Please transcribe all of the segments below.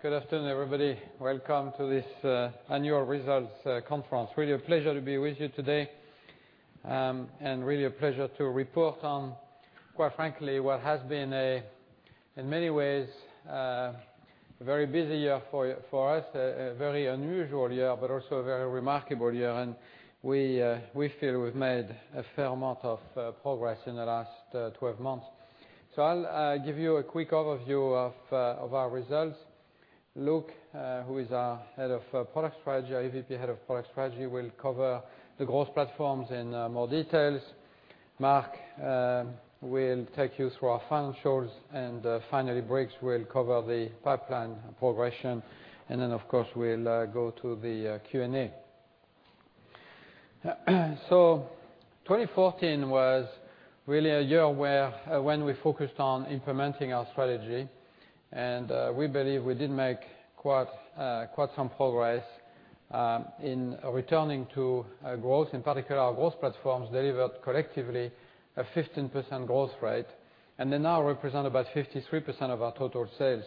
All right. Good afternoon, everybody. Welcome to this annual results conference. Really a pleasure to be with you today, and really a pleasure to report on, quite frankly, what has been, in many ways, a very busy year for us. A very unusual year, but also a very remarkable year, and we feel we've made a fair amount of progress in the last 12 months. I'll give you a quick overview of our results. Luke, who is our EVP, Head of Product Strategy, will cover the growth platforms in more details. Marc will take you through our financials. Finally, Briggs will cover the pipeline progression. Then, of course, we'll go to the Q&A. 2014 was really a year when we focused on implementing our strategy, and we believe we did make quite some progress in returning to growth. In particular, our growth platforms delivered collectively a 15% growth rate, and they now represent about 53% of our total sales.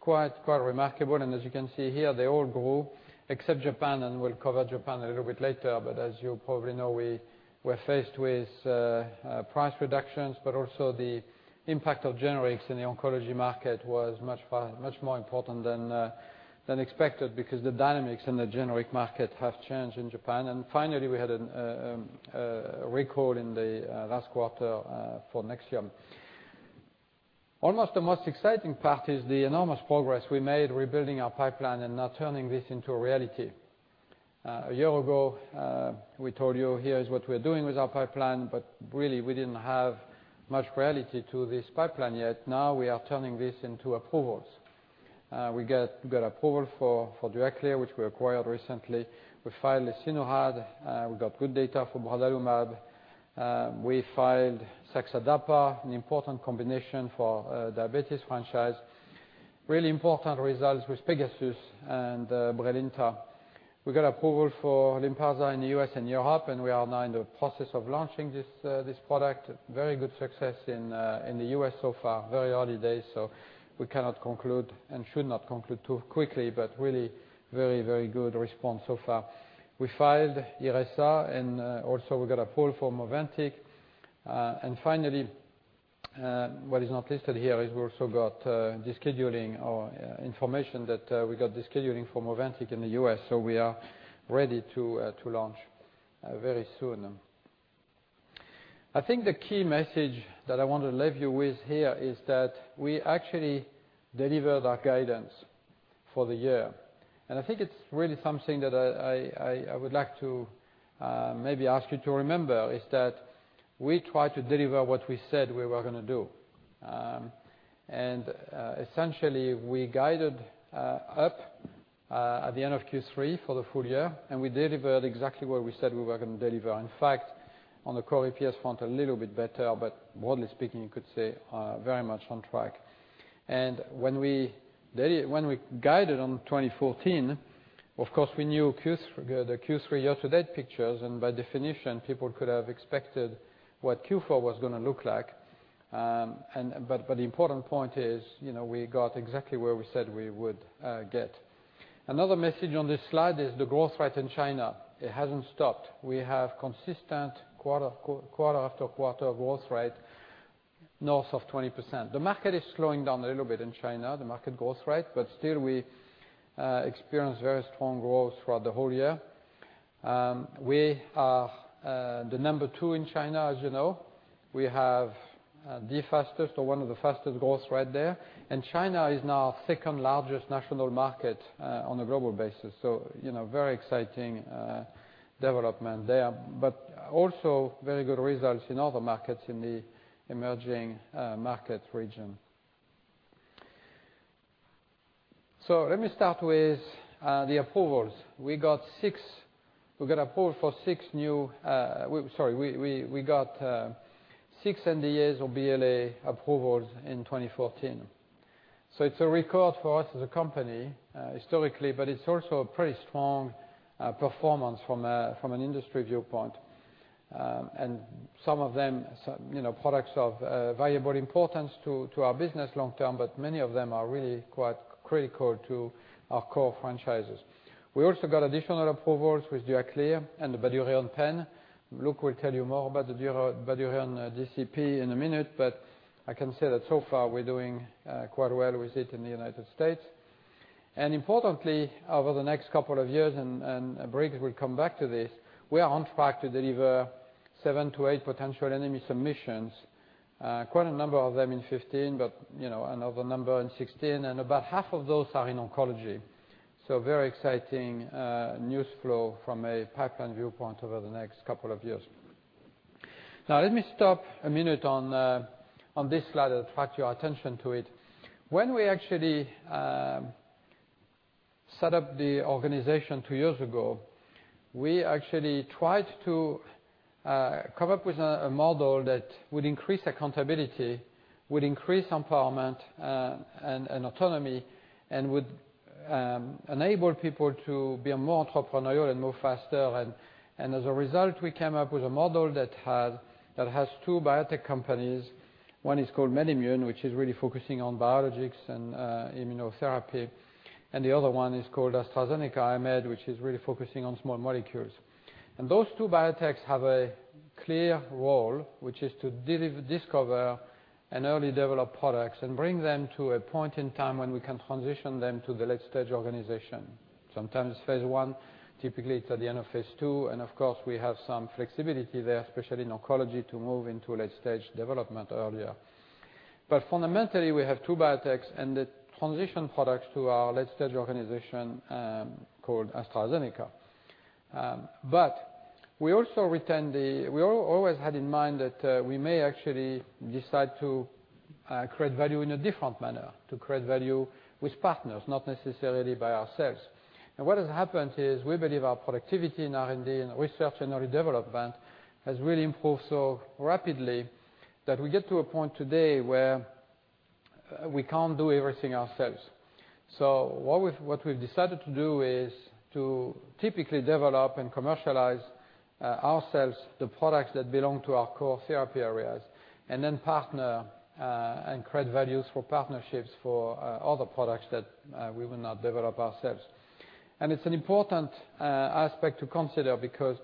Quite remarkable. As you can see here, they all grew except Japan. We'll cover Japan a little bit later. As you probably know, we're faced with price reductions, but also the impact of generics in the oncology market was much more important than expected because the dynamics in the generic market have changed in Japan. Finally, we had a recall in the last quarter for NEXIUM. Almost the most exciting part is the enormous progress we made rebuilding our pipeline and now turning this into a reality. A year ago, we told you, here is what we're doing with our pipeline, but really, we didn't have much reality to this pipeline yet. Now we are turning this into approvals. We got approval for Duaklir, which we acquired recently. We filed lesinurad. We got good data for mavrilimumab. We filed saxagliptin/dapagliflozin, an important combination for diabetes franchise. Really important results with PEGASUS and Brilinta. We got approval for LYNPARZA in the U.S. and Europe, and we are now in the process of launching this product. Very good success in the U.S. so far. Very early days, so we cannot conclude and should not conclude too quickly, but really very good response so far. We filed IRESSA, and also we got approval for MOVANTIK. Finally, what is not listed here is we also got information that we got the scheduling for MOVANTIK in the U.S., so we are ready to launch very soon. I think the key message that I want to leave you with here is that we actually delivered our guidance for the year. I think it's really something that I would like to maybe ask you to remember, is that we try to deliver what we said we were going to do. Essentially, we guided up at the end of Q3 for the full year, and we delivered exactly what we said we were going to deliver. In fact, on the core EPS front, a little bit better, but broadly speaking, you could say very much on track. When we guided on 2014, of course, we knew the Q3 year-to-date pictures, and by definition, people could have expected what Q4 was going to look like. The important point is we got exactly where we said we would get. Another message on this slide is the growth rate in China. It hasn't stopped. We have consistent quarter after quarter growth rate north of 20%. Still, we experienced very strong growth throughout the whole year. We are the number two in China, as you know. We have the fastest or one of the fastest growth rate there, and China is now our second-largest national market on a global basis. Very exciting development there, but also very good results in other markets in the emerging market region. Let me start with the approvals. We got six NDAs or BLA approvals in 2014. It's a record for us as a company historically, but it's also a pretty strong performance from an industry viewpoint. Some of them products of valuable importance to our business long term, but many of them are really quite critical to our core franchises. We also got additional approvals with Duaklir and the Bydureon Pen. Luke will tell you more about the Bydureon dual-chamber pen in a minute, but I can say that so far, we're doing quite well with it in the U.S. Importantly, over the next couple of years, and Briggs will come back to this, we are on track to deliver seven to eight potential NDA submissions. Quite a number of them in 2015, but another number in 2016, and about half of those are in oncology. Let me stop a minute on this slide and attract your attention to it. When we actually set up the organization two years ago, we actually tried to come up with a model that would increase accountability, would increase empowerment and autonomy, and enable people to be more entrepreneurial and move faster. As a result, we came up with a model that has two biotech companies. One is called MedImmune, which is really focusing on biologics and immunotherapy, and the other one is called AstraZeneca IMED, which is really focusing on small molecules. Those two biotechs have a clear role, which is to discover and early develop products and bring them to a point in time when we can transition them to the late-stage organization. Sometimes phase I, typically it's at the end of phase II, and of course, we have some flexibility there, especially in oncology, to move into late-stage development earlier. Fundamentally, we have two biotechs, and the transition products to our late-stage organization, called AstraZeneca. We always had in mind that we may actually decide to create value in a different manner, to create value with partners, not necessarily by ourselves. What has happened is we believe our productivity in R&D and research and early development has really improved so rapidly that we get to a point today where we can't do everything ourselves. What we've decided to do is to typically develop and commercialize ourselves the products that belong to our core therapy areas, and then partner, and create values for partnerships for other products that we will not develop ourselves. It's an important aspect to consider because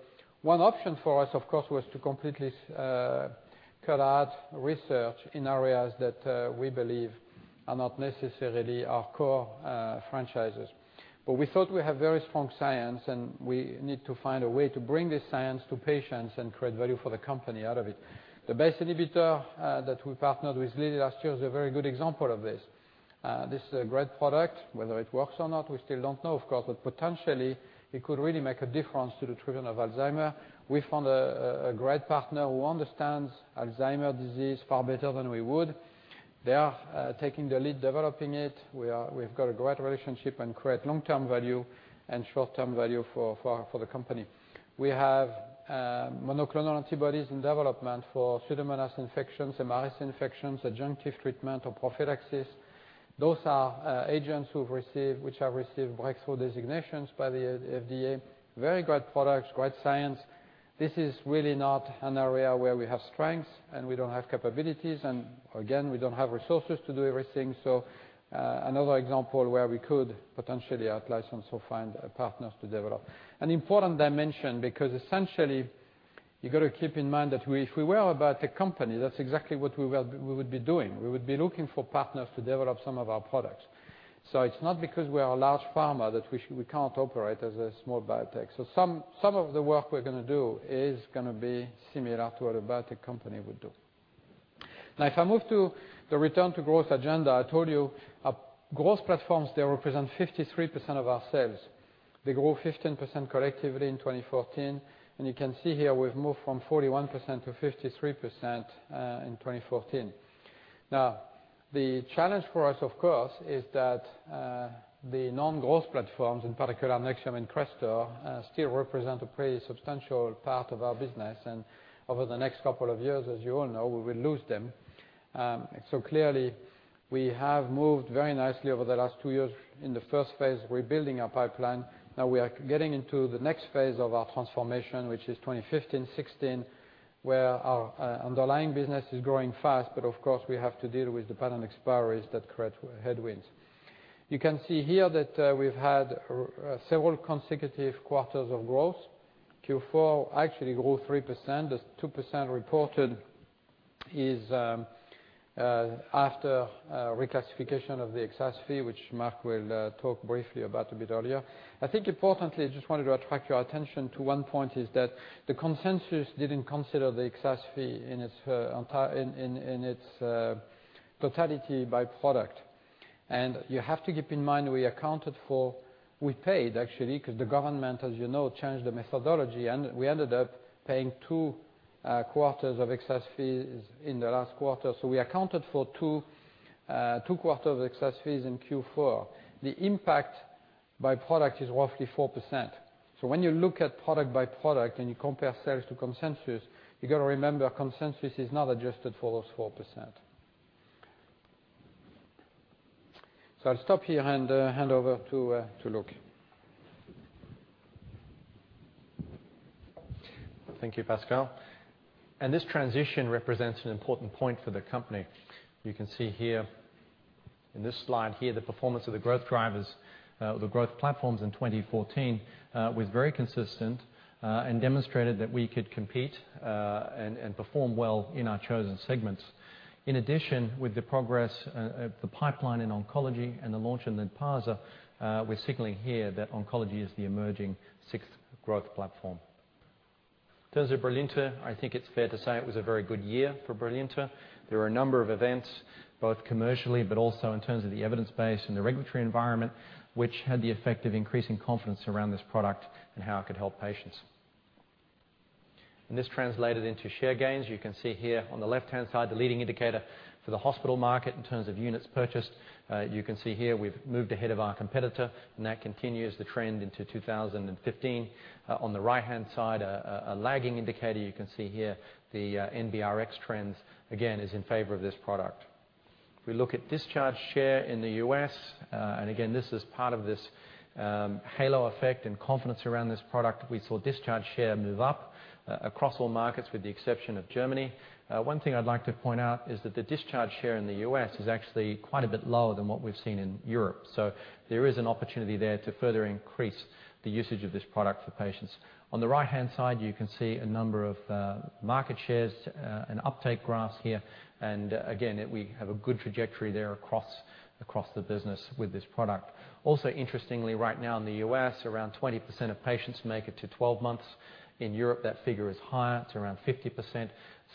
one option for us, of course, was to completely cut out research in areas that we believe are not necessarily our core franchises. We thought we have very strong science, and we need to find a way to bring this science to patients and create value for the company out of it. The BACE inhibitor that we partnered with Lilly last year is a very good example of this. This is a great product. Whether it works or not, we still don't know, of course, but potentially it could really make a difference to the treatment of Alzheimer's. We found a great partner who understands Alzheimer's disease far better than we would. They are taking the lead developing it. We've got a great relationship and create long-term value and short-term value for the company. We have monoclonal antibodies in development for Pseudomonas infections, MRSA infections, adjunctive treatment, or prophylaxis. Those are agents which have received breakthrough designations by the FDA. Very great products, great science. This is really not an area where we have strengths, and we don't have capabilities, and again, we don't have resources to do everything. Another example where we could potentially out-license or find partners to develop. An important dimension because essentially you got to keep in mind that if we were a biotech company, that's exactly what we would be doing. We would be looking for partners to develop some of our products. It's not because we are a large pharma that we can't operate as a small biotech. Some of the work we're going to do is going to be similar to what a biotech company would do. If I move to the return to growth agenda, I told you our growth platforms, they represent 53% of our sales. They grew 15% collectively in 2014. You can see here we've moved from 41% to 53% in 2014. The challenge for us, of course, is that the non-growth platforms, in particular NEXIUM and Crestor, still represent a pretty substantial part of our business. Over the next couple of years, as you all know, we will lose them. Clearly, we have moved very nicely over the last two years in the first phase rebuilding our pipeline. We are getting into the next phase of our transformation, which is 2015, 2016, where our underlying business is growing fast, but of course, we have to deal with the patent expiries that create headwinds. You can see here that we've had several consecutive quarters of growth. Q4 actually grew 3%. That 2% reported is after reclassification of the excise fee, which Marc will talk briefly about a bit earlier. I think importantly, I just wanted to attract your attention to one point is that the consensus didn't consider the excise fee in its totality by product. You have to keep in mind we accounted for, we paid actually, because the government, as you know, changed the methodology, and we ended up paying two quarters of excise fees in the last quarter. We accounted for two quarters of excise fees in Q4. The impact by product is roughly 4%. When you look at product by product and you compare sales to consensus, you got to remember consensus is not adjusted for those 4%. I'll stop here and hand over to Luke. Thank you, Pascal. This transition represents an important point for the company. You can see here in this slide, the performance of the growth drivers, the growth platforms in 2014 was very consistent and demonstrated that we could compete and perform well in our chosen segments. In addition, with the progress of the pipeline in oncology and the launch of LYNPARZA, we're signaling here that oncology is the emerging sixth growth platform. In terms of Brilinta, I think it's fair to say it was a very good year for Brilinta. There were a number of events, both commercially but also in terms of the evidence base and the regulatory environment, which had the effect of increasing confidence around this product and how it could help patients. This translated into share gains. You can see here on the left-hand side, the leading indicator for the hospital market in terms of units purchased. You can see here we've moved ahead of our competitor, and that continues the trend into 2015. On the right-hand side, a lagging indicator. You can see here the NBRX trends, again, is in favor of this product. If we look at discharge share in the U.S., and again, this is part of this halo effect and confidence around this product, we saw discharge share move up across all markets, with the exception of Germany. One thing I'd like to point out is that the discharge share in the U.S. is actually quite a bit lower than what we've seen in Europe. There is an opportunity there to further increase the usage of this product for patients. On the right-hand side, you can see a number of market shares and uptake graphs here. Again, we have a good trajectory there across the business with this product. Also interestingly, right now in the U.S., around 20% of patients make it to 12 months. In Europe, that figure is higher, it's around 50%.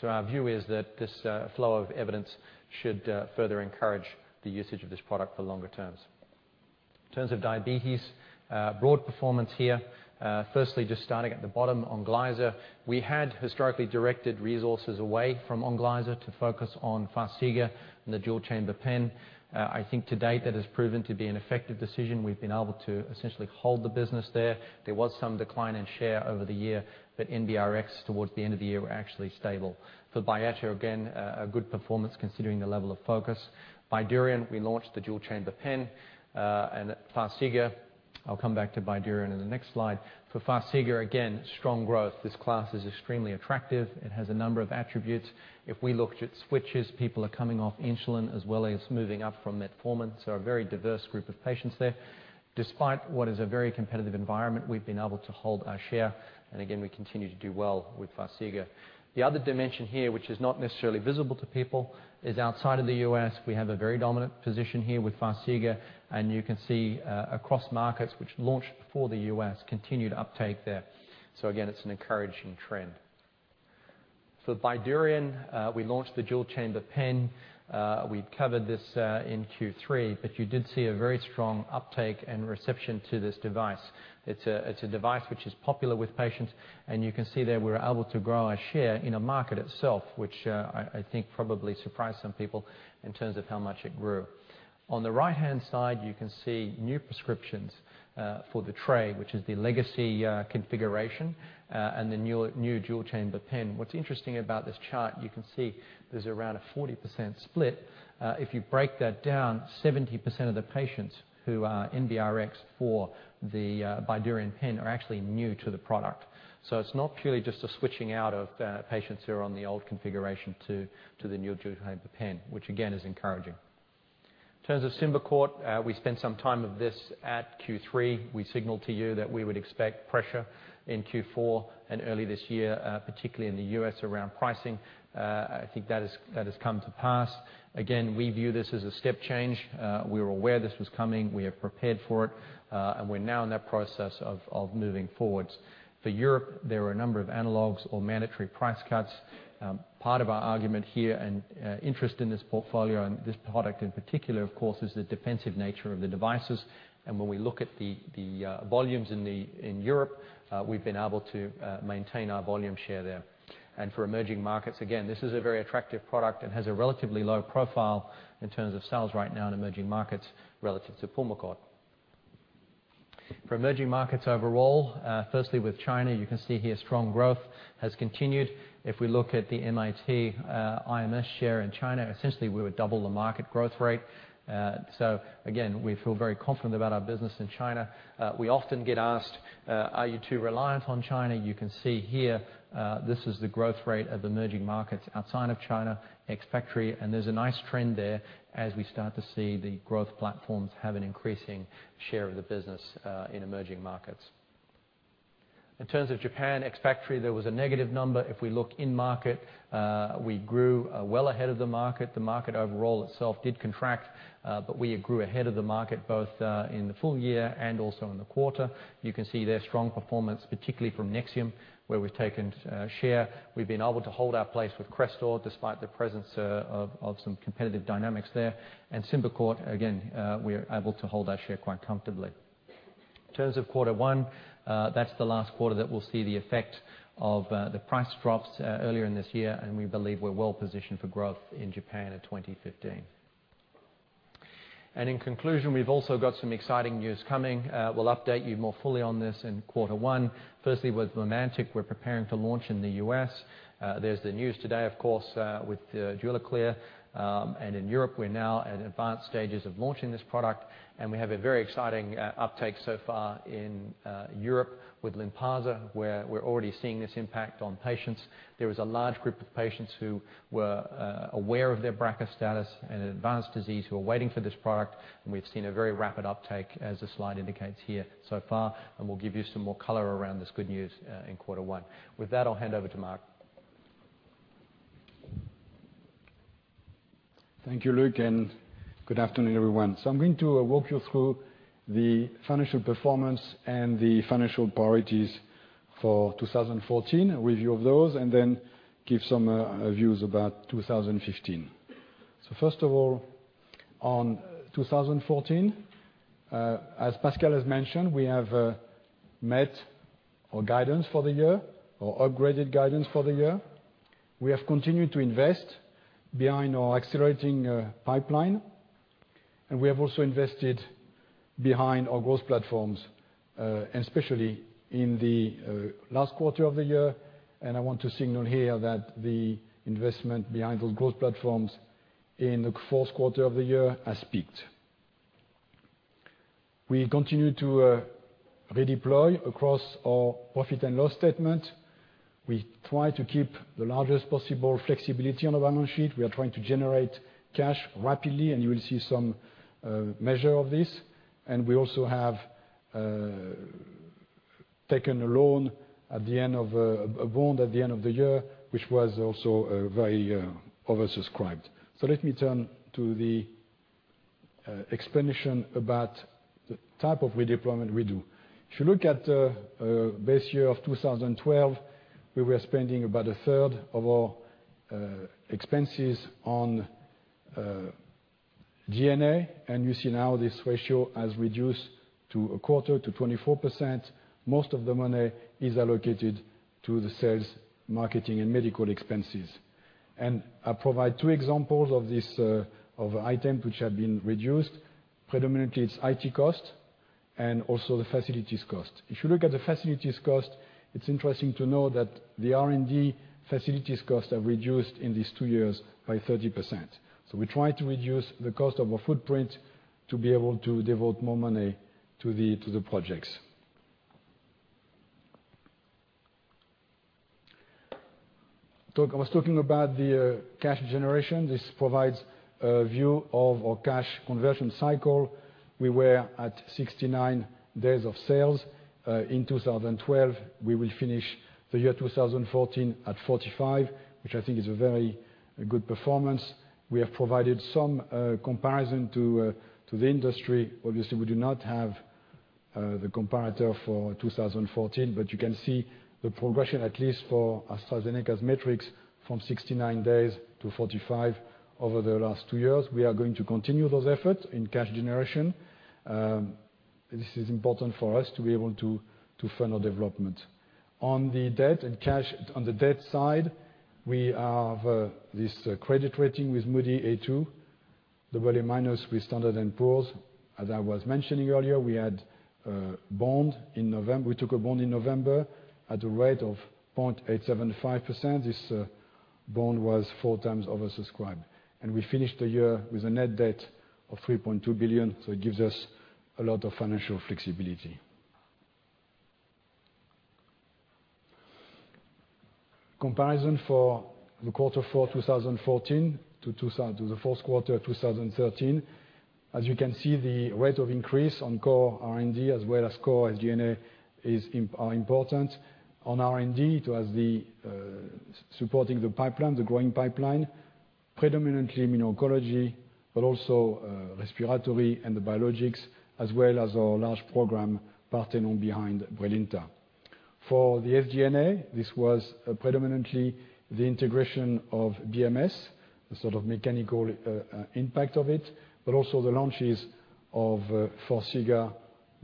Our view is that this flow of evidence should further encourage the usage of this product for longer terms. In terms of diabetes, broad performance here. Firstly, just starting at the bottom, ONGLYZA. We had historically directed resources away from ONGLYZA to focus on FARXIGA and the dual-chamber pen. I think to date, that has proven to be an effective decision. We've been able to essentially hold the business there. There was some decline in share over the year, but in RX towards the end of the year, we're actually stable. For BYETTA, again, a good performance considering the level of focus. Bydureon, we launched the dual-chamber pen. FARXIGA I'll come back to Bydureon in the next slide. For FARXIGA, again, strong growth. This class is extremely attractive. It has a number of attributes. If we looked at switches, people are coming off insulin, as well as moving up from metformin, so a very diverse group of patients there. Despite what is a very competitive environment, we've been able to hold our share, again, we continue to do well with FARXIGA. The other dimension here, which is not necessarily visible to people, is outside of the U.S., we have a very dominant position here with FARXIGA, and you can see across markets which launched before the U.S., continued uptake there. Again, it's an encouraging trend. For Bydureon, we launched the dual-chamber pen. We've covered this in Q3. You did see a very strong uptake and reception to this device. It's a device which is popular with patients, and you can see that we were able to grow our share in a market itself, which I think probably surprised some people in terms of how much it grew. On the right-hand side, you can see new prescriptions for the tray, which is the legacy configuration, and the new dual-chamber pen. What's interesting about this chart, you can see there's around a 40% split. If you break that down, 70% of the patients who are in the RX for the Bydureon Pen are actually new to the product. It's not purely just a switching out of patients who are on the old configuration to the new dual-chamber pen, which again, is encouraging. In terms of Symbicort, we spent some time of this at Q3. We signaled to you that we would expect pressure in Q4 and early this year, particularly in the U.S. around pricing. I think that has come to pass. Again, we view this as a step change. We were aware this was coming. We have prepared for it. We're now in that process of moving forwards. For Europe, there are a number of analogs or mandatory price cuts. Part of our argument here and interest in this portfolio and this product in particular, of course, is the defensive nature of the devices. When we look at the volumes in Europe, we've been able to maintain our volume share there. For emerging markets, again, this is a very attractive product and has a relatively low profile in terms of sales right now in emerging markets relative to Pulmicort. For emerging markets overall, firstly, with China, you can see here strong growth has continued. If we look at the MAT IMS share in China, essentially, we would double the market growth rate. Again, we feel very confident about our business in China. We often get asked, "Are you too reliant on China?" You can see here, this is the growth rate of emerging markets outside of China, ex factory. There's a nice trend there as we start to see the growth platforms have an increasing share of the business in emerging markets. In terms of Japan, ex factory, there was a negative number. If we look in market, we grew well ahead of the market. The market overall itself did contract. We grew ahead of the market, both in the full year and also in the quarter. You can see their strong performance, particularly from NEXIUM, where we've taken share. We've been able to hold our place with Crestor despite the presence of some competitive dynamics there. Symbicort, again, we're able to hold our share quite comfortably. In terms of quarter one, that's the last quarter that we'll see the effect of the price drops earlier in this year. We believe we're well positioned for growth in Japan in 2015. In conclusion, we've also got some exciting news coming. We'll update you more fully on this in quarter one. Firstly, with LYNPARZA, we're preparing to launch in the U.S. There's the news today, of course, with Duaklir. In Europe, we're now at advanced stages of launching this product, and we have a very exciting uptake so far in Europe with LYNPARZA, where we're already seeing this impact on patients. There was a large group of patients who were aware of their BRCA status and advanced disease who are waiting for this product, and we've seen a very rapid uptake, as the slide indicates here so far, and we'll give you some more color around this good news in quarter one. With that, I'll hand over to Marc. Thank you, Luke, and good afternoon, everyone. I'm going to walk you through the financial performance and the financial priorities for 2014, a review of those, and then give some views about 2015. First of all, on 2014, as Pascal has mentioned, we have met our guidance for the year or upgraded guidance for the year. We have continued to invest behind our accelerating pipeline. We have also invested behind our growth platforms, especially in the last quarter of the year. I want to signal here that the investment behind those growth platforms in the fourth quarter of the year has peaked. We continue to redeploy across our profit and loss statement. We try to keep the largest possible flexibility on the balance sheet. We are trying to generate cash rapidly, and you will see some measure of this. We also have taken a loan at the end of the year, which was also very oversubscribed. Let me turn to the explanation about the type of redeployment we do. If you look at the base year of 2012, we were spending about a third of our expenses on G&A, and you see now this ratio has reduced to a quarter to 24%. Most of the money is allocated to the sales, marketing, and medical expenses. I provide two examples of item which have been reduced. Predominantly, it's IT cost and also the facilities cost. If you look at the facilities cost, it's interesting to know that the R&D facilities costs have reduced in these two years by 30%. We try to reduce the cost of our footprint to be able to devote more money to the projects. I was talking about the cash generation. This provides a view of our cash conversion cycle. We were at 69 days of sales, in 2012. We will finish the year 2014 at 45, which I think is a very good performance. We have provided some comparison to the industry. Obviously, we do not have the comparator for 2014, but you can see the progression, at least for AstraZeneca's metrics, from 69 days to 45 over the last two years. We are going to continue those efforts in cash generation. This is important for us to be able to fund our development. On the debt side, we have this credit rating with Moody's, A2, the BBB- with Standard & Poor's. As I was mentioning earlier, we took a bond in November at a rate of 0.875%. This bond was four times oversubscribed. We finished the year with a net debt of $3.2 billion. It gives us a lot of financial flexibility. Comparison for Q4 2014 to Q4 2013. As you can see, the rate of increase on core R&D as well as core SG&A are important. On R&D towards supporting the pipeline, the growing pipeline, predominantly immuno-oncology, but also respiratory and the biologics, as well as our large program partner behind Brilinta. For the SG&A, this was predominantly the integration of BMS, the sort of mechanical impact of it, but also the launches of FARXIGA,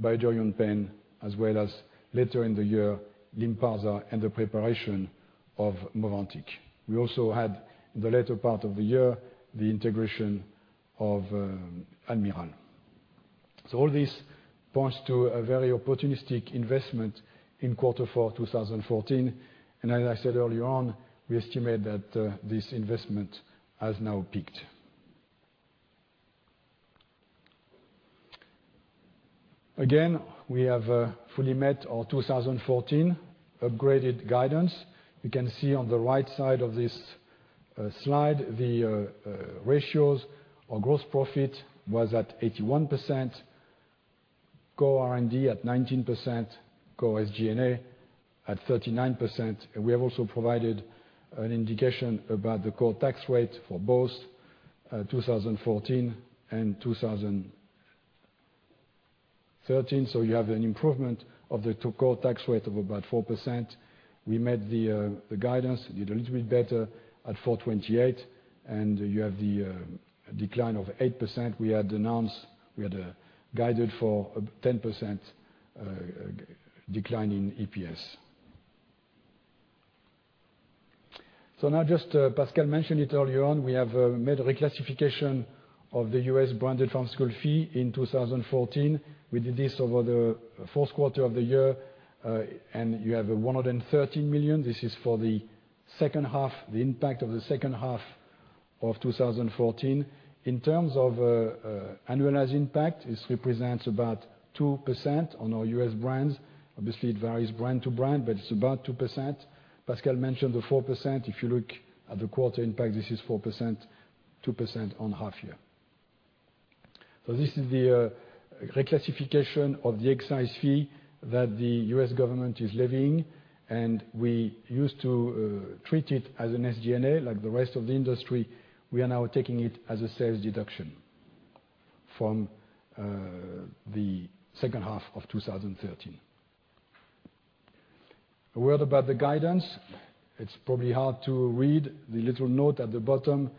BYDUREON Pen, as well as later in the year, LYNPARZA, and the preparation of MOVANTIK. We also had, in the latter part of the year, the integration of Almirall. All this points to a very opportunistic investment in Q4 2014. As I said earlier on, we estimate that this investment has now peaked. Again, we have fully met our 2014 upgraded guidance. You can see on the right side of this slide, the ratios. Our gross profit was at 81%, core R&D at 19%, core SG&A at 39%, and we have also provided an indication about the core tax rate for both 2014 and 2013. You have an improvement of the core tax rate of about 4%. We met the guidance, did a little bit better at $428, and you have the decline of 8%. We had announced we had guided for a 10% decline in EPS. Just Pascal mentioned it earlier on, we have made a reclassification of the U.S. branded pharmaceutical fee in 2014. We did this over the Q4 of the year. You have $113 million. This is for the impact of the second half of 2014. In terms of annualized impact, this represents about 2% on our U.S. brands. Obviously, it varies brand to brand, but it's about 2%. Pascal mentioned the 4%. If you look at the quarter impact, this is 4%, 2% on half year. This is the reclassification of the excise fee that the U.S. government is levying, and we used to treat it as an SG&A like the rest of the industry. We are now taking it as a sales deduction from the second half of 2013. A word about the guidance. It's probably hard to read. The little note at the bottom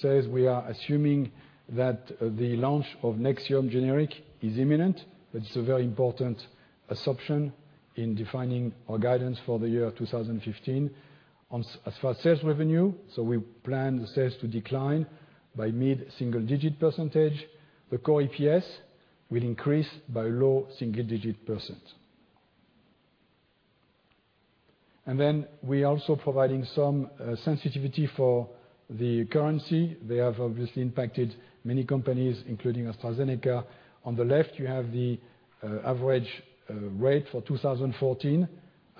says we are assuming that the launch of NEXIUM generic is imminent, which is a very important assumption in defining our guidance for the year 2015. As far as sales revenue, we plan the sales to decline by mid-single digit %. The core EPS will increase by low single digit %. We are also providing some sensitivity for the currency. They have obviously impacted many companies, including AstraZeneca. On the left, you have the average rate for 2014,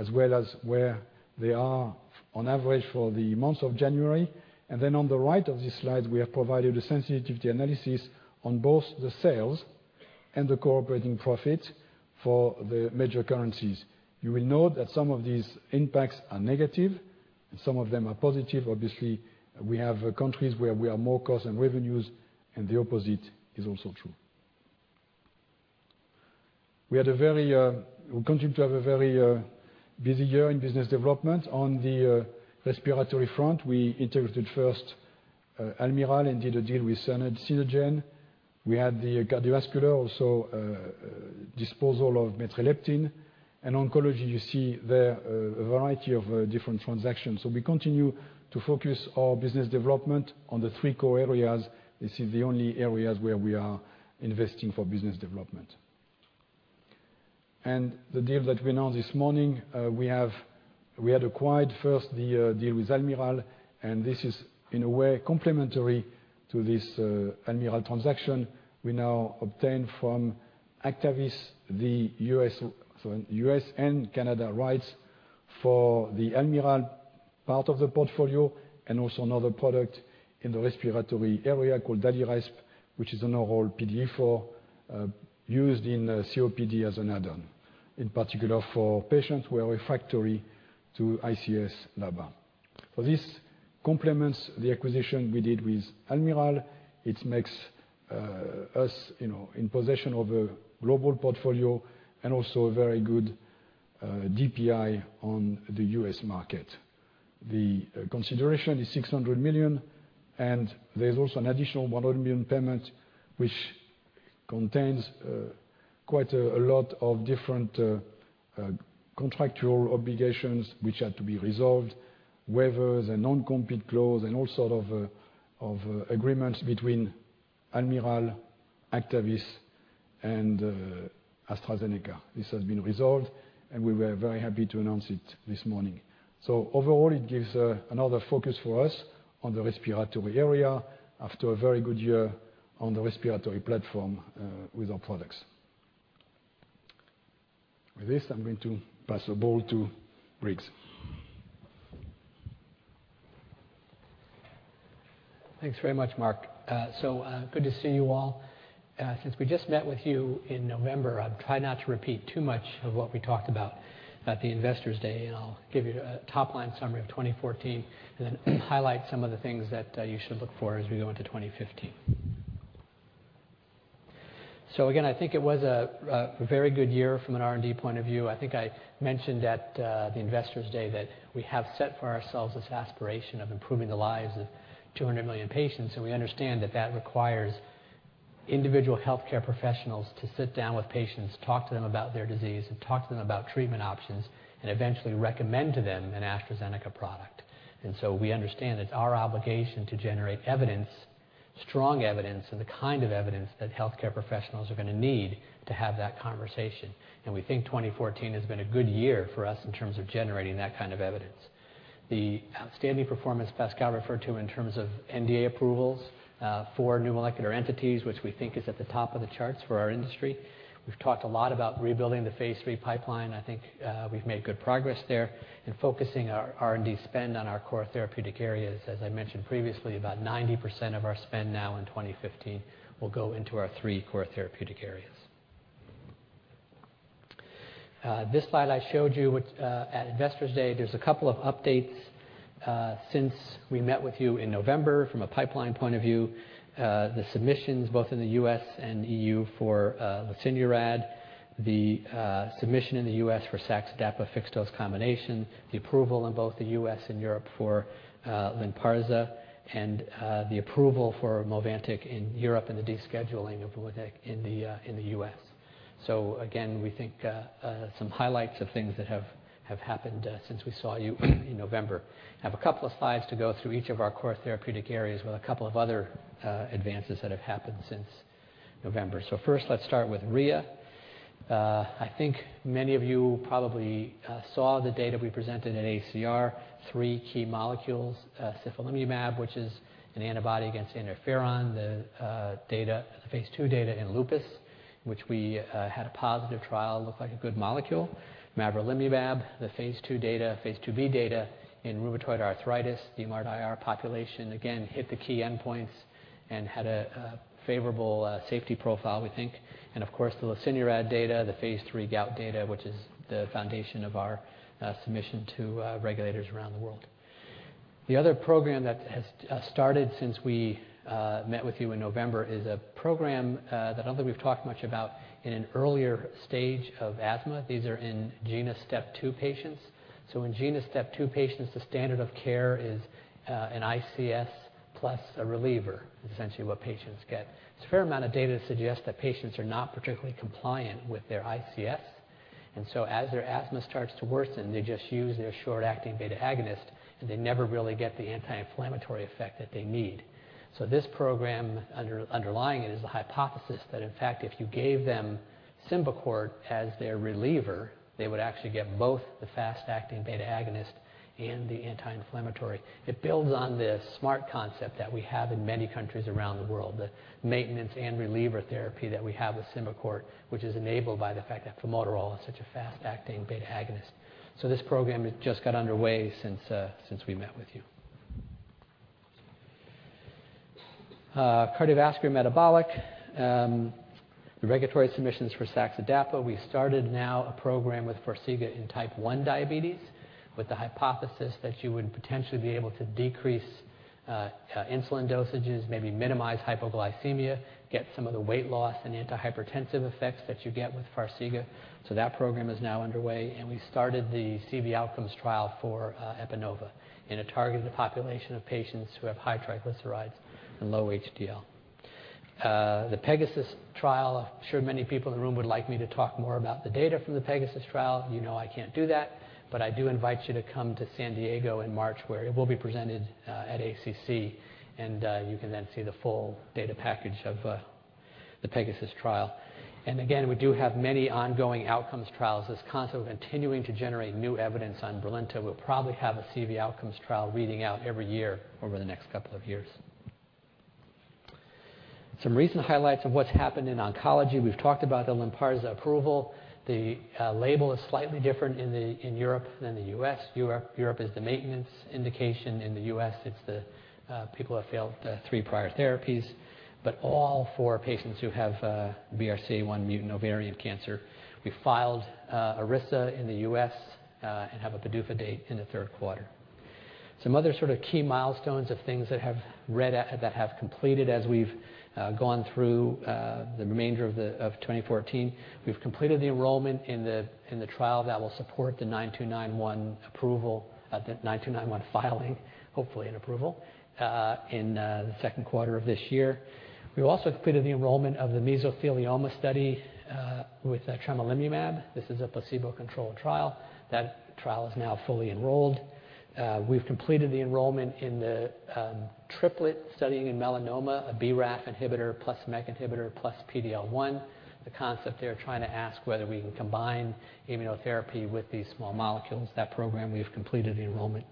as well as where they are on average for the month of January. On the right of this slide, we have provided a sensitivity analysis on both the sales and the operating profit for the major currencies. You will note that some of these impacts are negative and some of them are positive. Obviously, we have countries where we are more cost than revenues, and the opposite is also true. We continue to have a very busy year in business development. On the respiratory front, we integrated first Almirall and did a deal with Synageva. We had the cardiovascular also, disposal of metreleptin. In oncology, you see there a variety of different transactions. We continue to focus our business development on the three core areas. This is the only areas where we are investing for business development. The deal that we announced this morning, we had acquired first the deal with Almirall, and this is in a way complementary to this Almirall transaction. We now obtain from Actavis the U.S. and Canada rights for the Almirall part of the portfolio, and also another product in the respiratory area called Daliresp, which is an oral PDE4 used in COPD as an add-on, in particular for patients who are refractory to ICS/LABA. This complements the acquisition we did with Almirall. It makes us in possession of a global portfolio and also a very good DPI on the U.S. market. The consideration is $600 million, and there's also an additional $100 million payment, which contains quite a lot of different contractual obligations which had to be resolved, waivers and non-compete clause and all sort of agreements between Almirall, Actavis, and AstraZeneca. This has been resolved, and we were very happy to announce it this morning. Overall, it gives another focus for us on the respiratory area after a very good year on the respiratory platform with our products. With this, I'm going to pass the ball to Briggs. Thanks very much, Marc. Good to see you all. Since we just met with you in November, I'll try not to repeat too much of what we talked about at the Investors Day, and I'll give you a top-line summary of 2014, and then highlight some of the things that you should look for as we go into 2015. Again, I think it was a very good year from an R&D point of view. I think I mentioned at the Investors Day that we have set for ourselves this aspiration of improving the lives of 200 million patients, and we understand that that requires individual healthcare professionals to sit down with patients, talk to them about their disease, and talk to them about treatment options, and eventually recommend to them an AstraZeneca product. We understand it's our obligation to generate evidence, strong evidence, and the kind of evidence that healthcare professionals are going to need to have that conversation. We think 2014 has been a good year for us in terms of generating that kind of evidence. The outstanding performance Pascal referred to in terms of NDA approvals for new molecular entities, which we think is at the top of the charts for our industry. We've talked a lot about rebuilding the phase III pipeline. I think we've made good progress there in focusing our R&D spend on our core therapeutic areas. As I mentioned previously, about 90% of our spend now in 2015 will go into our three core therapeutic areas. This slide I showed you at Investors Day, there's a couple of updates since we met with you in November from a pipeline point of view. The submissions both in the U.S. and E.U. for lesinurad, the submission in the U.S. for saxagliptin/dapagliflozin dose combination, the approval in both the U.S. and E.U. for LYNPARZA, and the approval for MOVANTIK in E.U. and the descheduling of [inaudible] in the U.S. We think some highlights of things that have happened since we saw you in November. Have 2 slides to go through each of our core therapeutic areas with 2 other advances that have happened since November. First, let's start with RIA. I think many of you probably saw the data we presented at ACR, 3 key molecules, sifalimumab, which is an antibody against interferon, the phase II data in lupus, which we had a positive trial, looked like a good molecule. mavrilimumab, the phase II data, phase II-B data in rheumatoid arthritis, the MTX-IR population again hit the key endpoints and had a favorable safety profile, we think. The lesinurad data, the phase III gout data, which is the foundation of our submission to regulators around the world. The other program that has started since we met with you in November is a program that I don't think we've talked much about in an earlier stage of asthma. These are in GINA step 2 patients. In GINA step 2 patients, the standard of care is an ICS plus a reliever, essentially what patients get. There's a fair amount of data that suggests that patients are not particularly compliant with their ICS. As their asthma starts to worsen, they just use their short-acting beta-agonist, and they never really get the anti-inflammatory effect that they need. This program, underlying it is the hypothesis that, in fact, if you gave them Symbicort as their reliever, they would actually get both the fast-acting beta-agonist and the anti-inflammatory. It builds on the SMART concept that we have in many countries around the world, the maintenance and reliever therapy that we have with Symbicort, which is enabled by the fact that formoterol is such a fast-acting beta-agonist. This program has just got underway since we met with you. Cardiovascular metabolic. Regulatory submissions for saxagliptin/dapagliflozin. We started now a program with FARXIGA in type 1 diabetes, with the hypothesis that you would potentially be able to decrease insulin dosages, maybe minimize hypoglycemia, get some of the weight loss and antihypertensive effects that you get with FARXIGA. That program is now underway. We started the CV outcomes trial for Epanova in a targeted population of patients who have high triglycerides and low HDL. The PEGASUS trial, I'm sure many people in the room would like me to talk more about the data from the PEGASUS trial. You know I can't do that, but I do invite you to come to San Diego in March, where it will be presented at ACC, and you can then see the full data package of the PEGASUS trial. We do have many ongoing outcomes trials. This concept of continuing to generate new evidence on Brilinta, we'll probably have a CV outcomes trial reading out every year over the next 2 years. Some recent highlights of what's happened in oncology. We've talked about the LYNPARZA approval. The label is slightly different in E.U. than the U.S. E.U. is the maintenance indication. In the U.S., it's the people who have failed three prior therapies. All four patients who have BRCA1 mutant ovarian cancer. We filed LYNPARZA in the U.S. and have a PDUFA date in the third quarter. Some other sort of key milestones of things that have completed as we've gone through the remainder of 2014. We've completed the enrollment in the trial that will support the AZD9291 filing, hopefully an approval, in the second quarter of this year. We've also completed the enrollment of the mesothelioma study with tremelimumab. This is a placebo-controlled trial. That trial is now fully enrolled. We've completed the enrollment in the triplet study in melanoma, a BRAF inhibitor plus MEK inhibitor plus PD-L1. The concept they are trying to ask whether we can combine immunotherapy with these small molecules. That program we've completed the enrollment.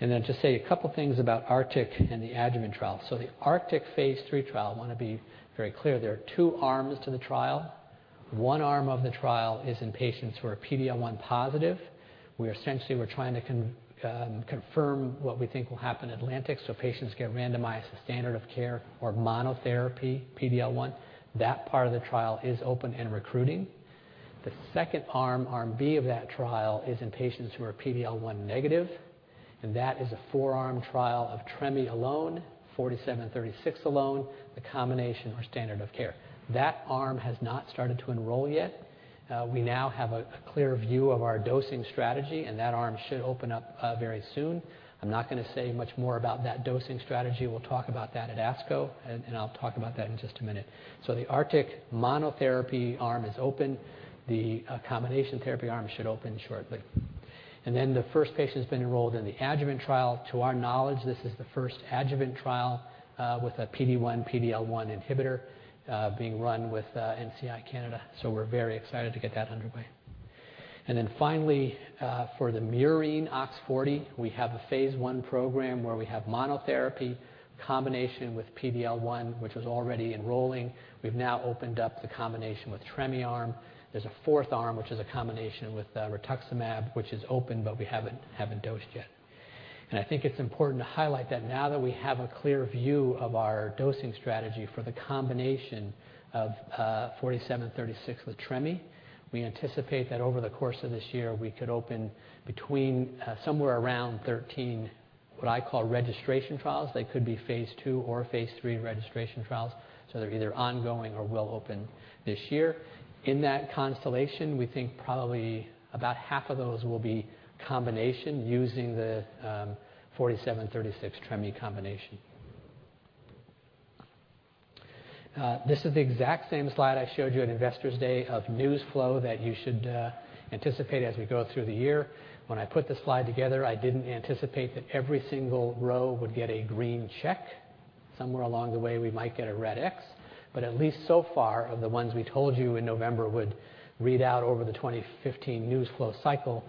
To say a couple of things about ARCTIC and the ADJUVANT trial. The ARCTIC phase III trial, I want to be very clear, there are two arms to the trial. One arm of the trial is in patients who are PD-L1 positive, where essentially we're trying to confirm what we think will happen in ATLANTIC, patients get randomized to standard of care or monotherapy PD-L1. That part of the trial is open and recruiting. The second arm B of that trial, is in patients who are PD-L1 negative, that is a four-arm trial of tremi alone, 4736 alone, the combination, or standard of care. That arm has not started to enroll yet. We now have a clear view of our dosing strategy, that arm should open up very soon. I'm not going to say much more about that dosing strategy. We'll talk about that at ASCO, I'll talk about that in just a minute. The ARCTIC monotherapy arm is open. The combination therapy arm should open shortly. The first patient's been enrolled in the ADJUVANT trial. To our knowledge, this is the first ADJUVANT trial with a PD-1, PD-L1 inhibitor being run with National Cancer Institute of Canada. We're very excited to get that underway. Finally, for the MURINE OX40, we have a phase I program where we have monotherapy combination with PD-L1, which was already enrolling. We've now opened up the combination with tremi arm. There's a fourth arm, which is a combination with rituximab, which is open, we haven't dosed yet. I think it's important to highlight that now that we have a clear view of our dosing strategy for the combination of 4736 with tremi, we anticipate that over the course of this year, we could open between somewhere around 13, what I call registration trials. They could be phase II or phase III registration trials, they're either ongoing or will open this year. In that constellation, we think probably about half of those will be combination using the 4736 tremi combination. This is the exact same slide I showed you at Investors Day of news flow that you should anticipate as we go through the year. When I put this slide together, I didn't anticipate that every single row would get a green check. Somewhere along the way, we might get a red X. At least so far, of the ones we told you in November would read out over the 2015 news flow cycle,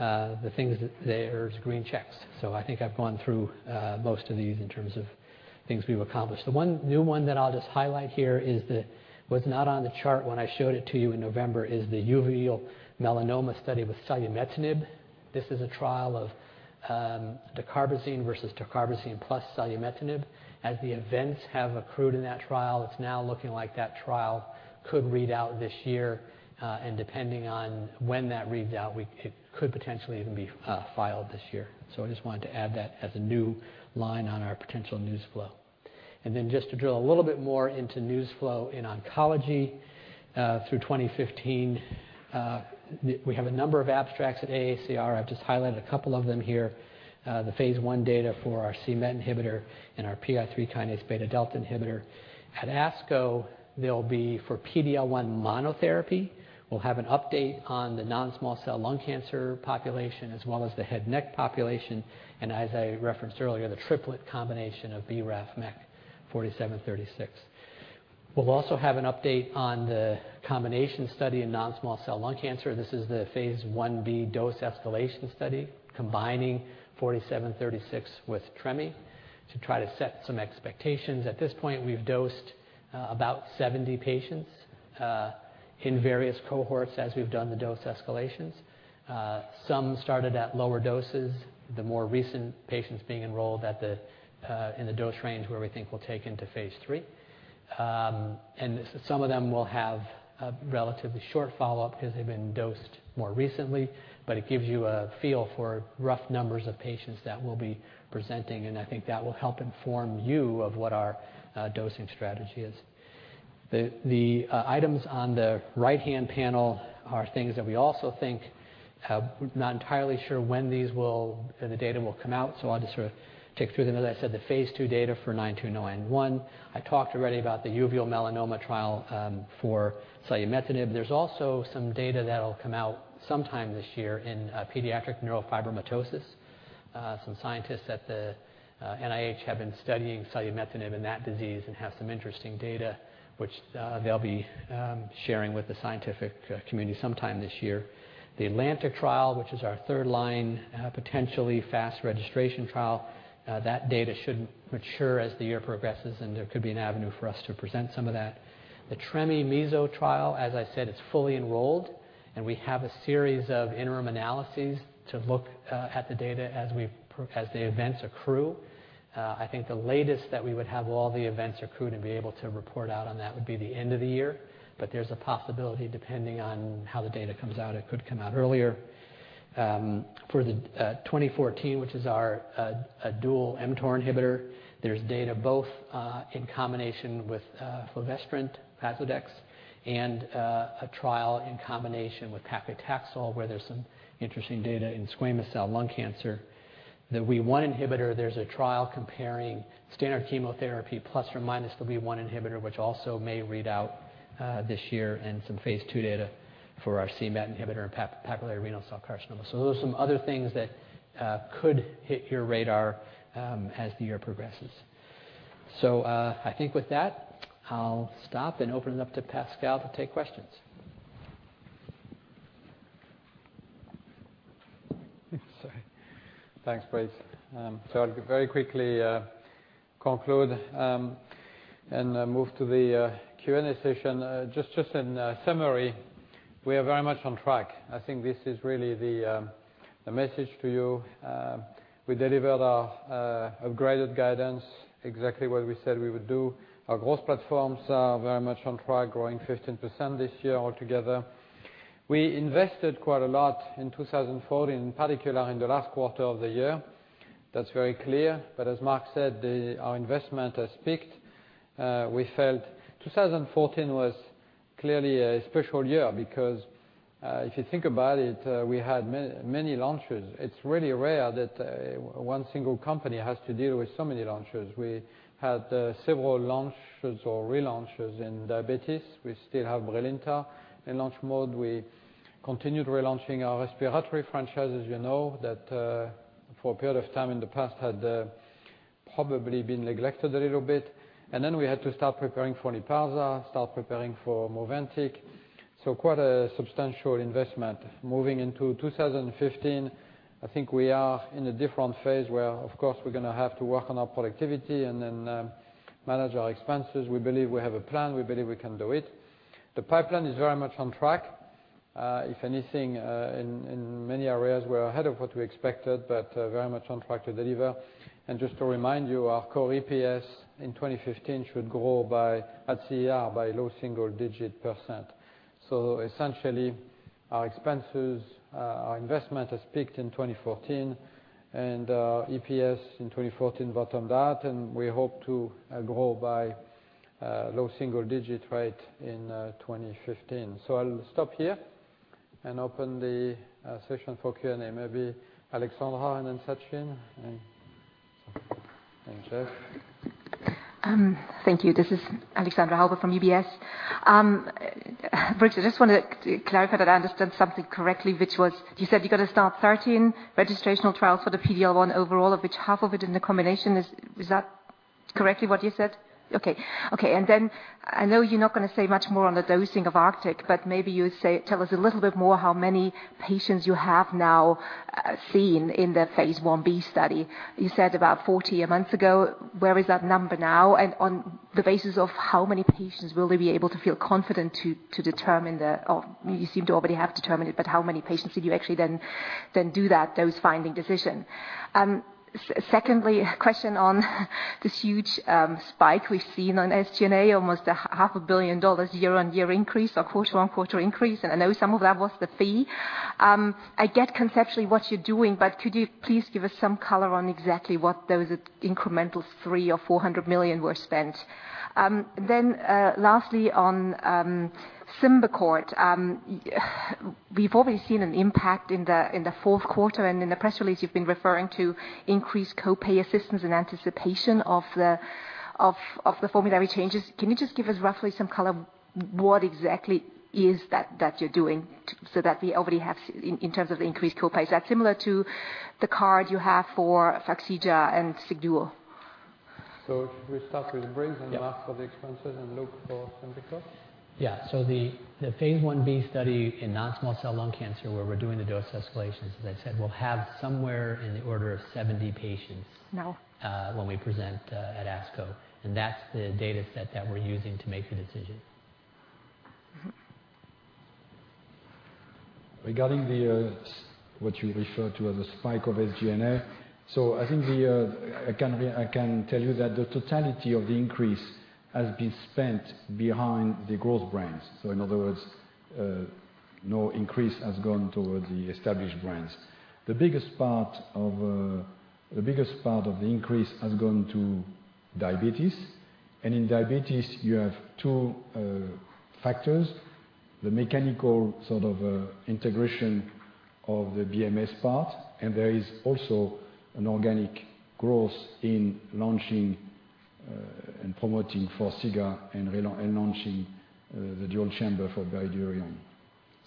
the thing is there's green checks. I think I've gone through most of these in terms of things we've accomplished. The one new one that I'll just highlight here that was not on the chart when I showed it to you in November is the uveal melanoma study with selumetinib. This is a trial of dacarbazine versus dacarbazine plus selumetinib. As the events have accrued in that trial, it's now looking like that trial could read out this year, and depending on when that reads out, it could potentially even be filed this year. I just wanted to add that as a new line on our potential news flow. Just to drill a little bit more into news flow in oncology, through 2015, we have a number of abstracts at AACR. I've just highlighted a couple of them here. The phase I data for our c-MET inhibitor and our PI3K beta/delta inhibitor. At ASCO, they'll be for PD-L1 monotherapy. We'll have an update on the non-small cell lung cancer population as well as the head neck population, and as I referenced earlier, the triplet combination of BRAF/MEK 4736. We'll also have an update on the combination study in non-small cell lung cancer. This is the phase I-B dose escalation study, combining 4736 with Tremie to try to set some expectations. At this point, we've dosed about 70 patients in various cohorts as we've done the dose escalations. Some started at lower doses, the more recent patients being enrolled in the dose range where we think we'll take into phase III. Some of them will have a relatively short follow-up because they've been dosed more recently, but it gives you a feel for rough numbers of patients that we'll be presenting, and I think that will help inform you of what our dosing strategy is. The items on the right-hand panel are things that we also think. We're not entirely sure when the data will come out, I'll just sort of tick through them. As I said, the phase II data for AZD9291. I talked already about the uveal melanoma trial for selumetinib. There's also some data that'll come out sometime this year in pediatric neurofibromatosis. Some scientists at the NIH have been studying selumetinib and that disease and have some interesting data, which they'll be sharing with the scientific community sometime this year. The ATLANTIC trial, which is our third-line, potentially fast registration trial. That data should mature as the year progresses, and there could be an avenue for us to present some of that. The TREMI meso trial, as I said, is fully enrolled, and we have a series of interim analyses to look at the data as the events accrue. I think the latest that we would have all the events accrued and be able to report out on that would be the end of the year. There's a possibility, depending on how the data comes out, it could come out earlier. For AZD2014, which is our dual mTOR inhibitor, there's data both in combination with fulvestrant, FASLODEX, and a trial in combination with paclitaxel, where there's some interesting data in squamous cell lung cancer. The WEE1 inhibitor, there's a trial comparing standard chemotherapy plus or minus the WEE1 inhibitor, which also may read out this year, and some phase II data for our c-MET inhibitor in papillary renal cell carcinoma. Those are some other things that could hit your radar as the year progresses. I think with that, I'll stop and open it up to Pascal to take questions. Sorry. Thanks, Briggs. I'll very quickly conclude and move to the Q&A session. Just in summary, we are very much on track. I think this is really the message to you. We delivered our upgraded guidance, exactly what we said we would do. Our growth platforms are very much on track, growing 15% this year altogether. We invested quite a lot in 2014, in particular in the last quarter of the year. That's very clear. But as Marc said, our investment has peaked. We felt 2014 was clearly a special year because, if you think about it, we had many launches. It's really rare that one single company has to deal with so many launches. We had several launches or relaunches in diabetes. We still have Brilinta in launch mode. We continued relaunching our respiratory franchise, as you know, that for a period of time in the past had probably been neglected a little bit. Then we had to start preparing for LYNPARZA, start preparing for MOVANTIK. Quite a substantial investment. Moving into 2015, I think we are in a different phase where, of course, we're going to have to work on our productivity and then manage our expenses. We believe we have a plan. We believe we can do it. The pipeline is very much on track. If anything, in many areas, we're ahead of what we expected, but very much on track to deliver. Just to remind you, our core EPS in 2015 should grow by, at CER, by low single digit %. Essentially, our expenses, our investment has peaked in 2014, our EPS in 2014 bottomed out, we hope to grow by low single digit rate in 2015. I'll stop here and open the session for Q&A. Maybe Alexandra and then Sachin and Jeff. Thank you. This is Alexandra Hauber from UBS. Briggs, I just want to clarify that I understood something correctly, which was you said you got to start 13 registrational trials for the PD-L1 overall, of which half of it in the combination. Is that correctly what you said? Okay. I know you're not going to say much more on the dosing of ARCTIC, but maybe you tell us a little bit more how many patients you have now seen in the phase I-B study. You said about 40 a month ago. Where is that number now? On the basis of how many patients will they be able to feel confident to determine it. Oh, you seem to already have determined it, but how many patients did you actually then do that, those finding decision? Secondly, a question on this huge spike we've seen on SG&A, almost half a billion dollars year-on-year increase or quarter-on-quarter increase. I know some of that was the fee. I get conceptually what you're doing, but could you please give us some color on exactly what those incremental three or $400 million were spent? Lastly, on Symbicort, we've already seen an impact in the fourth quarter. In the press release, you've been referring to increased co-pay assistance in anticipation of the formulary changes. Can you just give us roughly some color? What exactly is that you're doing so that we already have in terms of the increased co-pays? Is that similar to the card you have for FARXIGA and XIGDUO? Should we start with Briggs? Yeah. Ask for the expenses and Luke for Symbicort. Yeah. The phase I-B study in non-small cell lung cancer, where we're doing the dose escalations, as I said, we'll have somewhere in the order of 70 patients Now when we present at ASCO. That's the dataset that we're using to make the decision. Regarding what you referred to as a spike of SG&A. I think I can tell you that the totality of the increase has been spent behind the growth brands. In other words, no increase has gone towards the established brands. The biggest part of the increase has gone to diabetes. In diabetes you have two factors, the mechanical sort of integration of the BMS part, and there is also an organic growth in launching and promoting FARXIGA and launching the dual-chamber for Bydureon.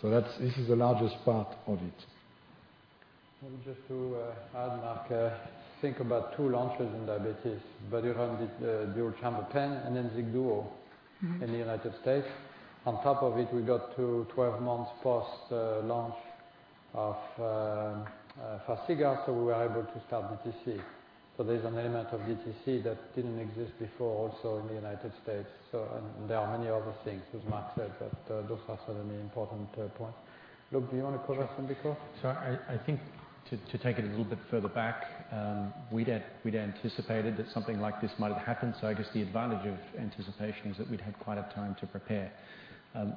This is the largest part of it. Just to add, Marc, think about two launches in diabetes. Bydureon, the dual-chamber pen, and then XIGDUO in the U.S. On top of it, we got to 12 months post-launch of FARXIGA, we were able to start DTC. There's an element of DTC that didn't exist before also in the U.S. There are many other things, as Marc said, but those are some of the important points. Luke, do you want to cover Symbicort? Sure. I think to take it a little bit further back, we'd anticipated that something like this might have happened. I guess the advantage of anticipation is that we'd had quite a time to prepare.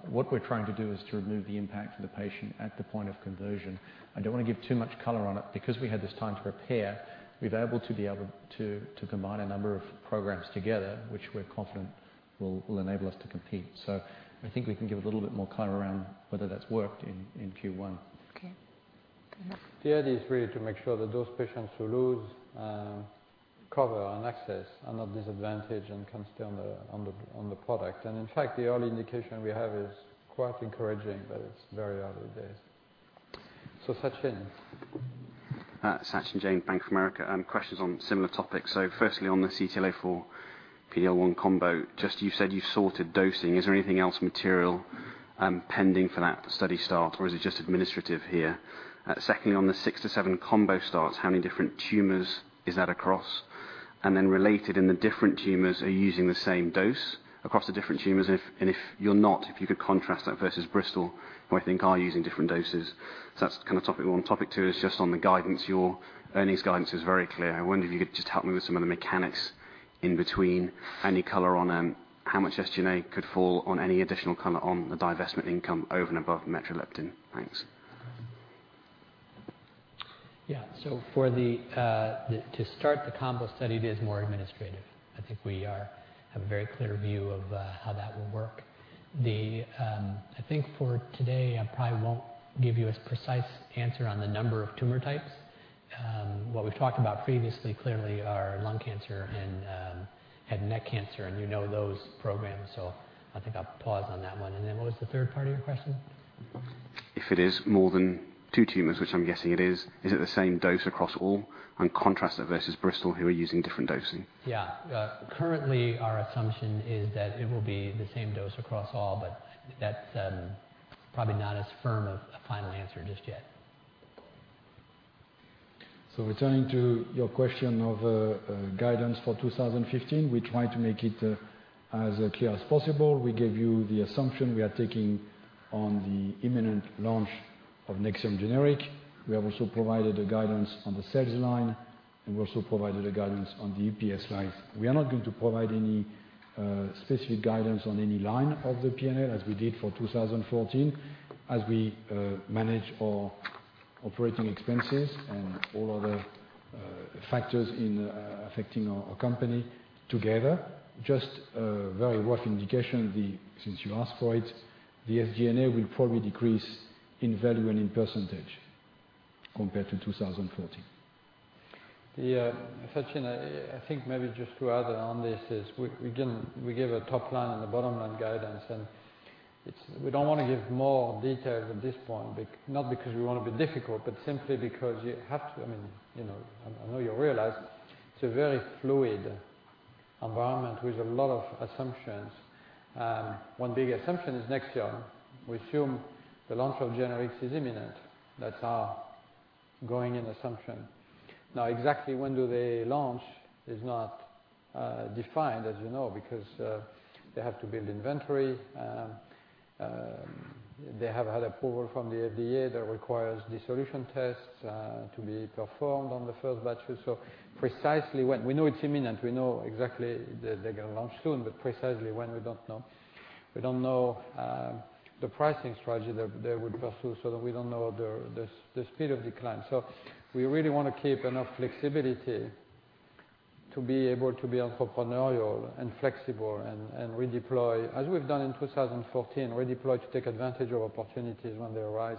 What we're trying to do is to remove the impact to the patient at the point of conversion. I don't want to give too much color on it. Because we had this time to prepare, we've able to be able to combine a number of programs together, which we're confident will enable us to compete. I think we can give a little bit more color around whether that's worked in Q1. Okay. The idea is really to make sure that those patients who lose cover and access are not disadvantaged and can stay on the product. In fact, the early indication we have is quite encouraging, but it's very early days. Sachin. Sachin Jain, Bank of America. Questions on similar topics. Firstly, on the CTLA-4 PD-L1 combo, just you said you've sorted dosing. Is there anything else material pending for that study start, or is it just administrative here? Secondly, on the six to seven combo starts, how many different tumors is that across? Related, in the different tumors, are you using the same dose across the different tumors? If you're not, if you could contrast that versus Bristol, who I think are using different doses. That's kind of topic one. Topic two is on the guidance. Your earnings guidance is very clear. I wonder if you could just help me with some of the mechanics in between. Any color on how much SG&A could fall on any additional color on the divestment income over and above metreleptin? Thanks. Yeah. To start the combo study, it is more administrative. I think we have a very clear view of how that will work. I think for today, I probably won't give you a precise answer on the number of tumor types. What we've talked about previously clearly are lung cancer and head and neck cancer, and you know those programs. I think I'll pause on that one. What was the third part of your question? If it is more than two tumors, which I'm guessing it is it the same dose across all? Contrast that versus Bristol, who are using different dosing. Yeah. Currently our assumption is that it will be the same dose across all. That's probably not as firm a final answer just yet. Returning to your question of guidance for 2015, we try to make it as clear as possible. We gave you the assumption we are taking on the imminent launch of NEXIUM generic. We have also provided a guidance on the sales line. We also provided a guidance on the EPS lines. We are not going to provide any specific guidance on any line of the P&L as we did for 2014, as we manage our operating expenses and all other factors in affecting our company together. A very rough indication since you asked for it, the SG&A will probably decrease in value and in percentage compared to 2014. Yeah. Sachin, I think maybe just to add on this is we give a top line and a bottom line guidance. We don't want to give more details at this point, not because we want to be difficult, simply because you have to. I know you realize it's a very fluid environment with a lot of assumptions. One big assumption is NEXIUM. We assume the launch of generics is imminent. That's our going-in assumption. Exactly when do they launch is not defined, as you know, because they have to build inventory. They have had approval from the FDA that requires dissolution tests to be performed on the first batch. We know it's imminent. We know exactly that they're going to launch soon, precisely when we don't know. We don't know the pricing strategy that they would pursue, we don't know the speed of decline. We really want to keep enough flexibility to be able to be entrepreneurial and flexible and redeploy as we've done in 2014, redeploy to take advantage of opportunities when they arise.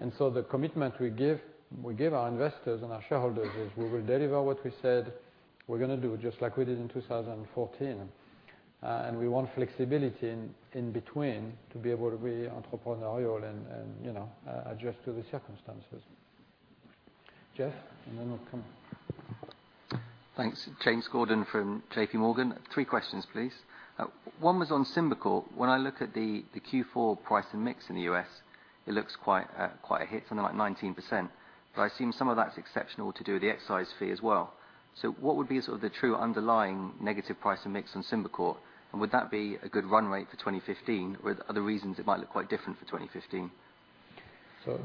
The commitment we give our investors and our shareholders is we will deliver what we said we're going to do, just like we did in 2014. We want flexibility in between to be able to be entrepreneurial and adjust to the circumstances. Jeff, and then I'll come. Thanks. James Gordon from J.P. Morgan. Three questions, please. One was on Symbicort. When I look at the Q4 price and mix in the U.S., it looks quite a hit, something like 19%. I assume some of that's exceptional to do with the excise fee as well. What would be sort of the true underlying negative price and mix on Symbicort? Would that be a good run rate for 2015, or are there reasons it might look quite different for 2015?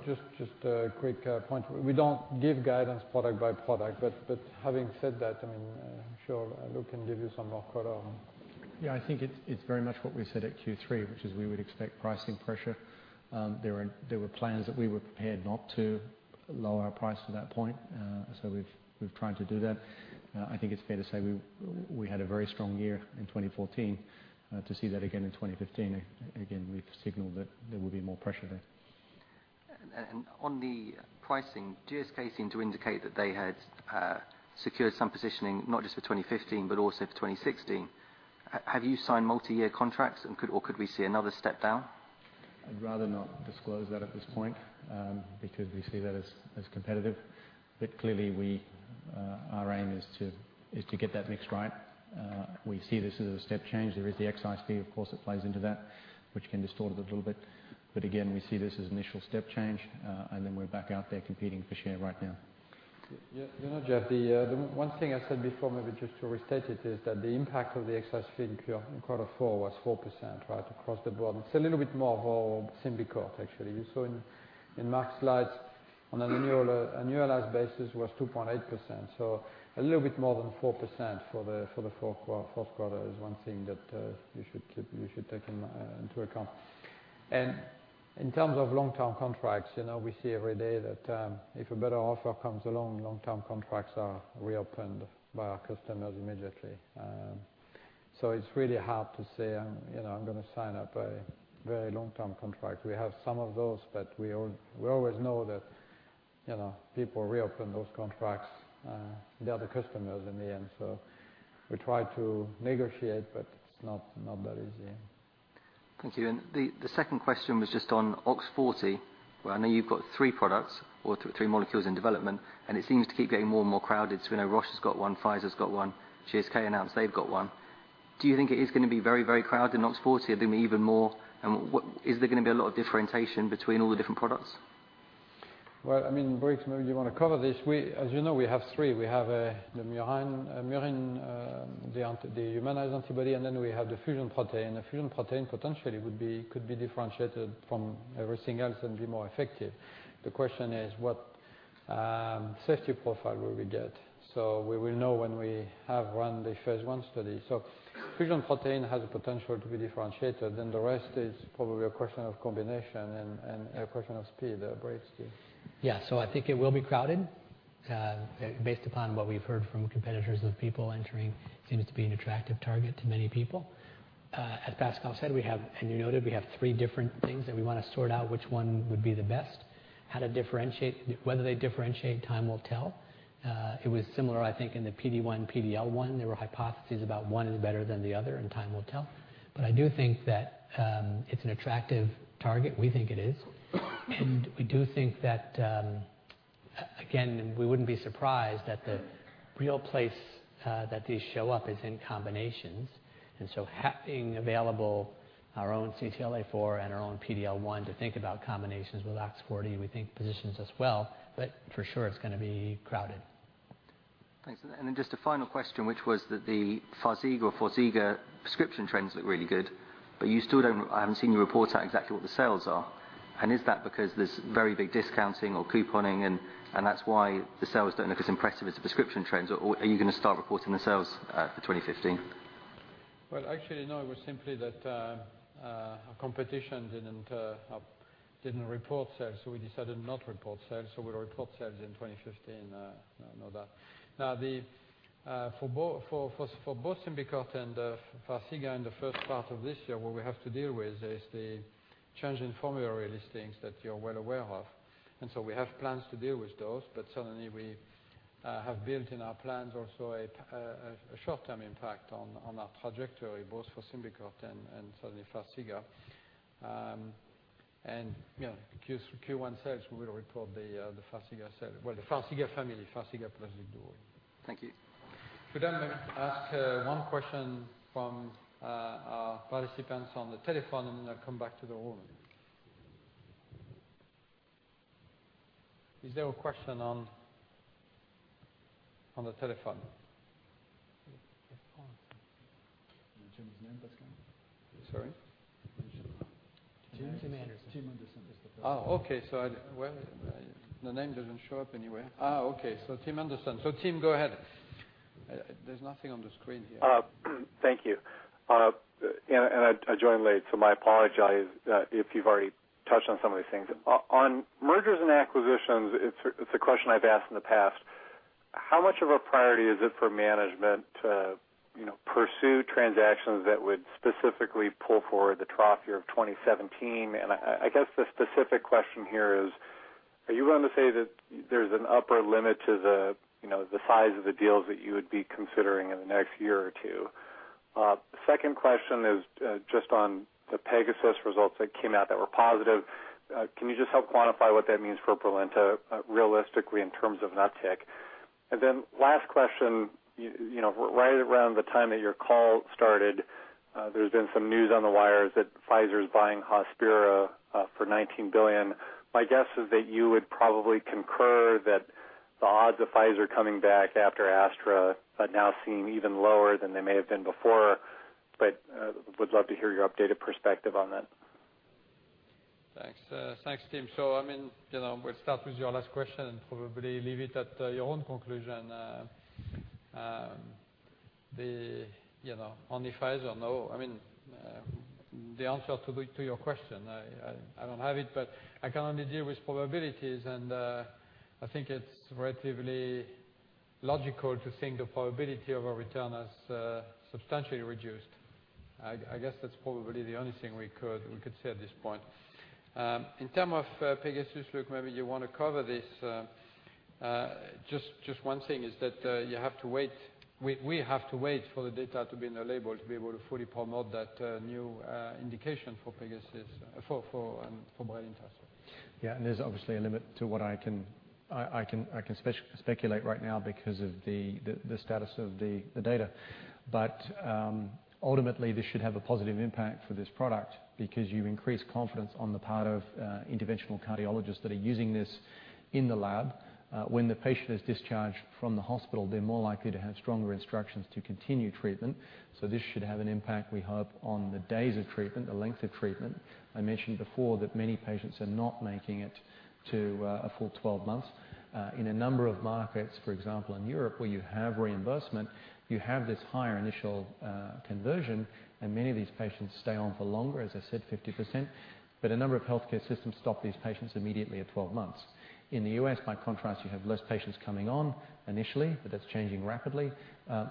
Just a quick point. We don't give guidance product by product, having said that, I'm sure Luke can give you some more color on. I think it's very much what we said at Q3, which is we would expect pricing pressure. There were plans that we were prepared not to lower our price to that point. We've tried to do that. I think it's fair to say we had a very strong year in 2014. To see that again in 2015, again, we've signaled that there will be more pressure there. On the pricing, GSK seemed to indicate that they had secured some positioning not just for 2015 but also for 2016. Have you signed multi-year contracts, or could we see another step down? I'd rather not disclose that at this point because we see that as competitive. Clearly our aim is to get that mix right. We see this as a step change. There is the excise fee, of course, that plays into that, which can distort it a little bit. Again, we see this as initial step change, and then we're back out there competing for share right now. You know, Jeff, the one thing I said before, maybe just to restate it, is that the impact of the excise fee in quarter four was 4%, right, across the board. It's a little bit more for Symbicort, actually. You saw in Marc slides on an annualized basis was 2.8%, so a little bit more than 4% for the fourth quarter is one thing that you should take into account. In terms of long-term contracts, we see every day that if a better offer comes along, long-term contracts are reopened by our customers immediately. It's really hard to say I'm going to sign up a very long-term contract. We have some of those, but we always know that people reopen those contracts. They are the customers in the end. We try to negotiate, but it's not that easy. Thank you. The second question was just on OX40, where I know you've got three products or three molecules in development, it seems to keep getting more and more crowded. We know Roche has got one, Pfizer's got one, GSK announced they've got one. Do you think it is going to be very crowded in OX40 or even more? Is there going to be a lot of differentiation between all the different products? Well, I mean, Briggs, maybe you want to cover this. As you know, we have three. We have the murine, the humanized antibody, and then we have the fusion protein. The fusion protein potentially could be differentiated from everything else and be more effective. The question is, what safety profile will we get? We will know when we have run the phase I study. Fusion protein has the potential to be differentiated, and the rest is probably a question of combination and a question of speed. Briggs, to you. Yeah. I think it will be crowded. Based upon what we've heard from competitors of people entering, seems to be an attractive target to many people. As Pascal said, and you noted, we have three different things that we want to sort out which one would be the best, how to differentiate. Whether they differentiate, time will tell. It was similar, I think, in the PD-1, PD-L1. There were hypotheses about one is better than the other, time will tell. I do think that it's an attractive target. We think it is. We do think that, again, we wouldn't be surprised that the real place that these show up is in combinations. Having available our own CTLA-4 and our own PD-L1 to think about combinations with OX40, we think positions us well. For sure it's going to be crowded. Thanks. Then just a final question, which was that the FARXIGA prescription trends look really good, I haven't seen you report out exactly what the sales are. Is that because there's very big discounting or couponing, and that's why the sales don't look as impressive as the prescription trends, or are you going to start reporting the sales for 2015? Well, actually, no, it was simply that our competition didn't report sales. We decided to not report sales. We'll report sales in 2015, no doubt. Now, for both Symbicort and FARXIGA in the first part of this year, what we have to deal with is the change in formulary listings that you're well aware of. We have plans to deal with those. Certainly, we have built in our plans also a short-term impact on our trajectory, both for Symbicort and certainly FARXIGA. Q1 sales, we will report the FARXIGA family, FARXIGA plus XIGDUO. Thank you. Could I maybe ask one question from our participants on the telephone, and then I'll come back to the room. Is there a question on the telephone? Can you mention his name, Pascal? Sorry. I didn't catch it. Tim Anderson. Tim Anderson is the first one. Okay. Well, the name doesn't show up anywhere. Okay. Tim Anderson. Tim, go ahead. There's nothing on the screen here. Thank you. I joined late, so I apologize if you've already touched on some of these things. On mergers and acquisitions, it's a question I've asked in the past, how much of a priority is it for management to pursue transactions that would specifically pull forward the trough year of 2017? I guess the specific question here is, are you willing to say that there's an upper limit to the size of the deals that you would be considering in the next year or two? Second question is just on the PEGASUS results that came out that were positive. Can you just help quantify what that means for Brilinta, realistically, in terms of an uptick? Then last question. Right around the time that your call started, there's been some news on the wires that Pfizer's buying Hospira for $19 billion. My guess is that you would probably concur that the odds of Pfizer coming back after Astra now seem even lower than they may have been before. Would love to hear your updated perspective on that. Thanks. Thanks, Tim. We'll start with your last question and probably leave it at your own conclusion. On the Pfizer, no. The answer to your question, I don't have it, but I can only deal with probabilities, and I think it's relatively logical to think the probability of a return is substantially reduced. I guess that's probably the only thing we could say at this point. In term of PEGASUS, Luke, maybe you want to cover this. Just one thing is that you have to wait. We have to wait for the data to be in the label to be able to fully promote that new indication for Brilinta. There's obviously a limit to what I can speculate right now because of the status of the data. Ultimately, this should have a positive impact for this product because you increase confidence on the part of interventional cardiologists that are using this in the lab. When the patient is discharged from the hospital, they're more likely to have stronger instructions to continue treatment. This should have an impact, we hope, on the days of treatment, the length of treatment. I mentioned before that many patients are not making it to a full 12 months. In a number of markets, for example, in Europe, where you have reimbursement, you have this higher initial conversion, and many of these patients stay on for longer, as I said, 50%. But a number of healthcare systems stop these patients immediately at 12 months. In the U.S., by contrast, you have less patients coming on initially, but that's changing rapidly.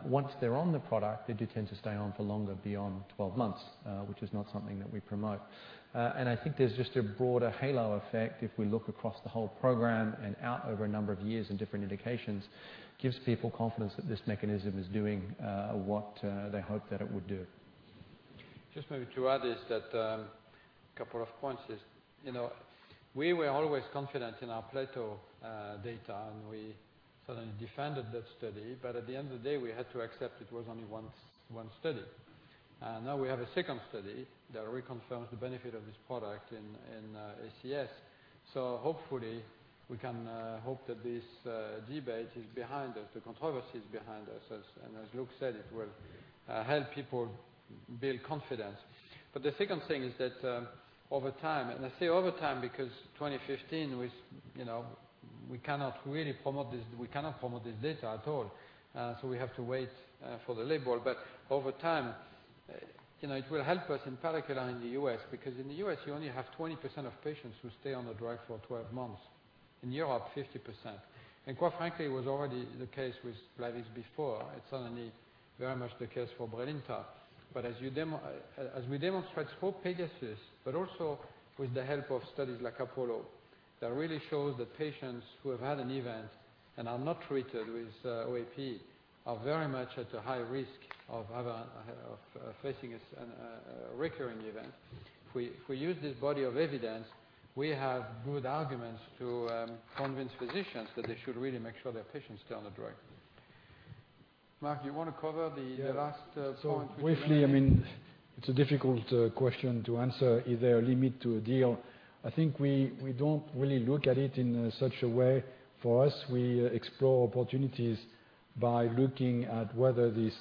Once they're on the product, they do tend to stay on for longer beyond 12 months, which is not something that we promote. I think there's just a broader halo effect if we look across the whole program and out over a number of years in different indications, gives people confidence that this mechanism is doing what they hope that it would do. Just maybe to add is that a couple of points is, we were always confident in our PLATO data, and we certainly defended that study. At the end of the day, we had to accept it was only one study. Now we have a second study that reconfirms the benefit of this product in ACS. Hopefully, we can hope that this debate is behind us, the controversy is behind us, and as Luke said, it will help people build confidence. The second thing is that over time, and I say over time because 2015, we cannot promote this data at all. We have to wait for the label. Over time, it will help us in particular in the U.S., because in the U.S., you only have 20% of patients who stay on the drug for 12 months. In Europe, 50%. Quite frankly, it was already the case with Plavix before. It's certainly very much the case for Brilinta. As we demonstrate for PEGASUS, but also with the help of studies like APOLLO, that really shows that patients who have had an event and are not treated with DAPT are very much at a high risk of facing a recurring event. If we use this body of evidence, we have good arguments to convince physicians that they should really make sure their patients stay on the drug. Marc, you want to cover the last point? Yeah. Briefly, it's a difficult question to answer, is there a limit to a deal? I think we don't really look at it in such a way. For us, we explore opportunities by looking at whether this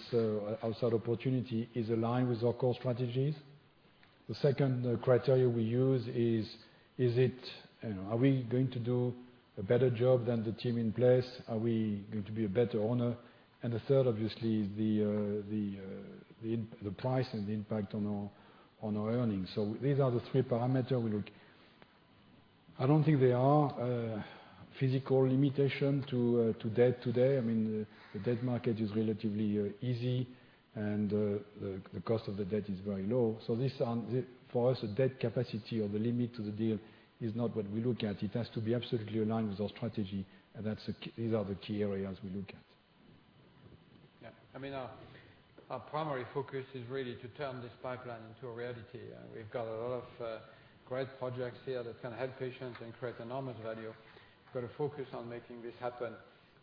outside opportunity is aligned with our core strategies. The second criteria we use is, are we going to do a better job than the team in place? Are we going to be a better owner? The third, obviously, is the price and the impact on our earnings. These are the three parameters we look. I don't think there are physical limitations to debt today. The debt market is relatively easy, and the cost of the debt is very low. For us, the debt capacity or the limit to the deal is not what we look at. It has to be absolutely aligned with our strategy, and these are the key areas we look at. Yeah. Our primary focus is really to turn this pipeline into a reality. We've got a lot of great projects here that can help patients and create enormous value. We've got to focus on making this happen.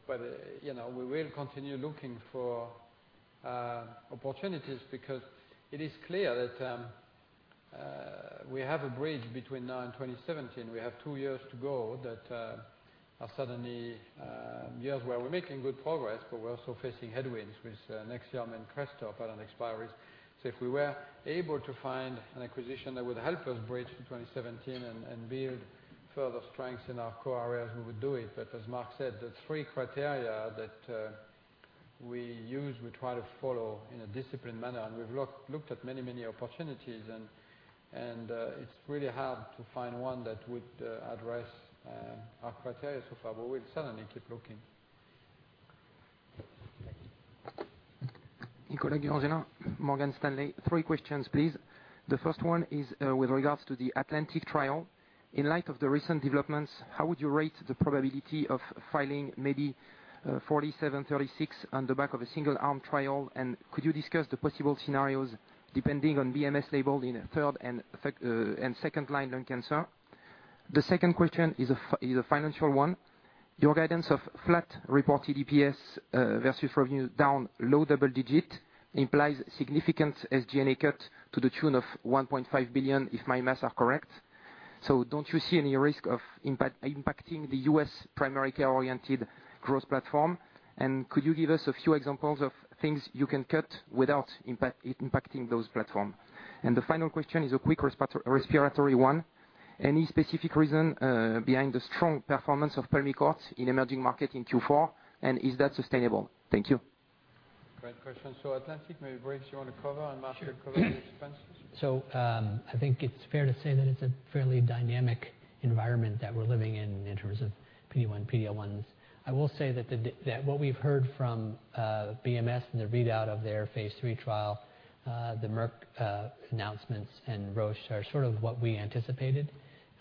We will continue looking for opportunities because it is clear that we have a bridge between now and 2017. We have two years to go that are certainly years where we're making good progress, but we're also facing headwinds with NEXIUM and CRESTOR patent expiries. If we were able to find an acquisition that would help us bridge to 2017 and build further strengths in our core areas, we would do it. As Marc said, the three criteria that we use, we try to follow in a disciplined manner, and we've looked at many, many opportunities and it's really hard to find one that would address our criteria so far, but we'll certainly keep looking. Thank you. Nicolas Girtone, Morgan Stanley. Three questions, please. The first one is with regards to the ATLANTIC trial. In light of the recent developments, how would you rate the probability of filing MEDI4736 on the back of a single-arm trial? Could you discuss the possible scenarios depending on BMS labeled in third and second-line lung cancer? The second question is a financial one. Your guidance of flat reported EPS versus revenue down low double digit implies significant SG&A cut to the tune of $1.5 billion, if my maths are correct. Don't you see any risk of impacting the U.S. primary care-oriented growth platform? Could you give us a few examples of things you can cut without impacting those platform? The final question is a quick respiratory one. Any specific reason behind the strong performance of PULMICORT in emerging market in Q4, and is that sustainable? Thank you. Great question. ATLANTIC, Briggs, if you want to cover and Marc. Sure can cover the expenses. I think it's fair to say that it's a fairly dynamic environment that we're living in terms of PD-1, PD-L1s. I will say that what we've heard from BMS and their readout of their phase III trial, the Merck announcements and Roche are sort of what we anticipated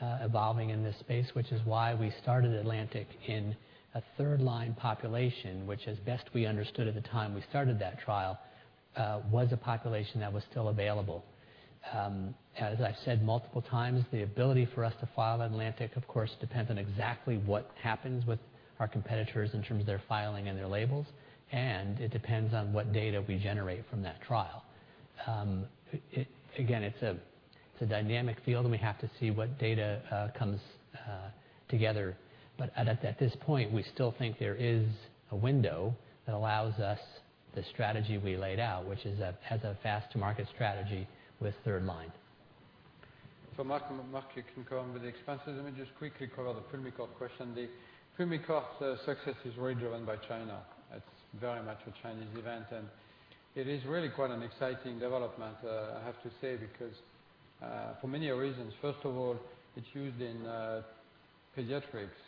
evolving in this space, which is why we started ATLANTIC in a third-line population, which as best we understood at the time we started that trial, was a population that was still available. As I've said multiple times, the ability for us to file ATLANTIC, of course, depends on exactly what happens with our competitors in terms of their filing and their labels, and it depends on what data we generate from that trial. Again, it's a dynamic field, and we have to see what data comes together. At this point, we still think there is a window that allows us the strategy we laid out, which has a fast-to-market strategy with third line. Marc, you can go on with the expenses. Let me just quickly cover the PULMICORT question. The PULMICORT success is really driven by China. It's very much a Chinese event, and it is really quite an exciting development, I have to say, because for many reasons. First of all, it's used in pediatrics,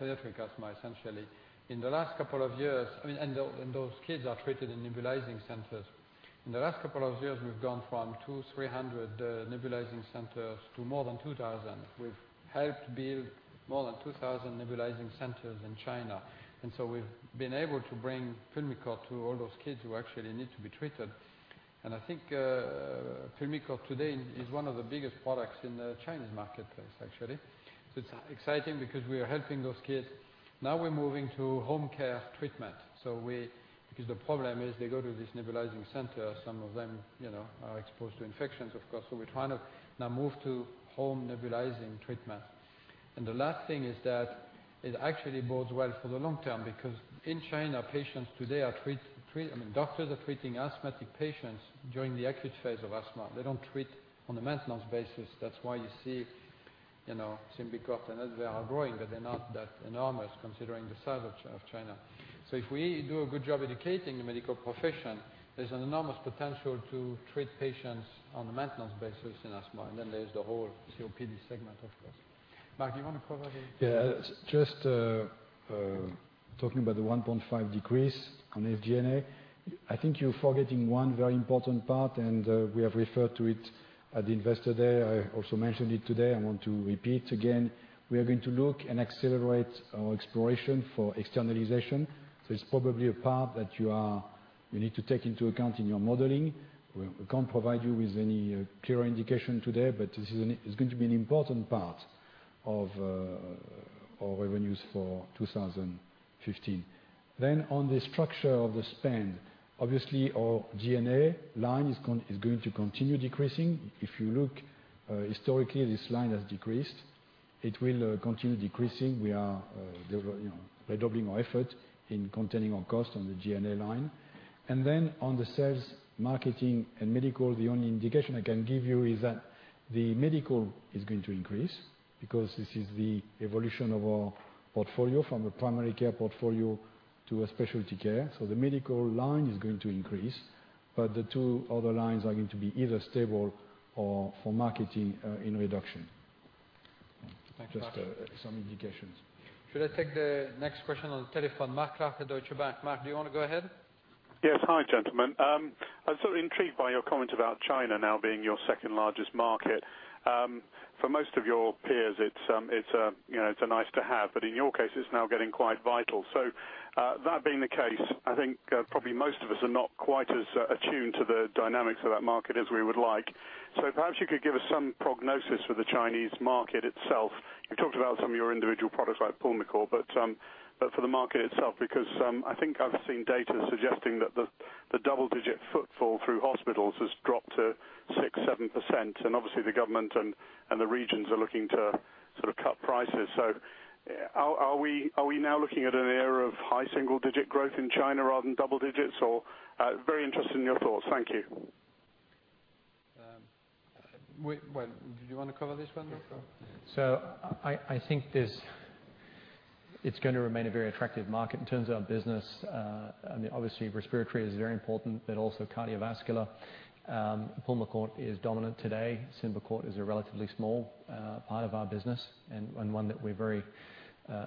pediatric asthma, essentially. In the last couple of years and those kids are treated in nebulizing centers. In the last couple of years, we've gone from 200, 300 nebulizing centers to more than 2,000. We've helped build more than 2,000 nebulizing centers in China, and we've been able to bring PULMICORT to all those kids who actually need to be treated. I think PULMICORT today is one of the biggest products in the Chinese marketplace, actually. It's exciting because we are helping those kids. Now we're moving to home care treatment. Because the problem is they go to this nebulizing center. Some of them are exposed to infections, of course, so we're trying to now move to home nebulizing treatment. The last thing is that it actually bodes well for the long term, because in China, patients today doctors are treating asthmatic patients during the acute phase of asthma. They don't treat on a maintenance basis. That's why you see Symbicort and Advair are growing, but they're not that enormous considering the size of China. If we do a good job educating the medical profession, there's an enormous potential to treat patients on a maintenance basis in asthma. Then there's the whole COPD segment, of course. Marc, you want to cover the? Just talking about the 1.5 decrease on G&A. I think you're forgetting one very important part, and we have referred to it at the Investor Day. I also mentioned it today. I want to repeat again. We are going to look and accelerate our exploration for externalization. It's probably a part that you need to take into account in your modeling. We can't provide you with any clear indication today, but this is going to be an important part of our revenues for 2015. On the structure of the spend, obviously, our G&A line is going to continue decreasing. If you look historically, this line has decreased. It will continue decreasing. We are redoubling our effort in containing our cost on the G&A line. On the sales, marketing, and medical, the only indication I can give you is that the medical is going to increase because this is the evolution of our portfolio from a primary care portfolio to a specialty care. The medical line is going to increase, but the two other lines are going to be either stable or for marketing in reduction. Thank you. Just some indications. Should I take the next question on the telephone? Mark Clark, Deutsche Bank. Mark, do you want to go ahead? Yes. Hi, gentlemen. I was sort of intrigued by your comment about China now being your second largest market. For most of your peers, it's a nice to have, but in your case, it's now getting quite vital. That being the case, I think probably most of us are not quite as attuned to the dynamics of that market as we would like. Perhaps you could give us some prognosis for the Chinese market itself. You talked about some of your individual products like Pulmicort, but for the market itself, because I think I've seen data suggesting that the double-digit footfall through hospitals has dropped to 6%, 7%, and obviously the government and the regions are looking to sort of cut prices. Are we now looking at an era of high single-digit growth in China rather than double digits, or? Very interested in your thoughts. Thank you. Well, do you want to cover this one, Luke? I think it's going to remain a very attractive market in terms of our business. Obviously respiratory is very important, but also cardiovascular. Pulmicort is dominant today. Symbicort is a relatively small part of our business and one that we're very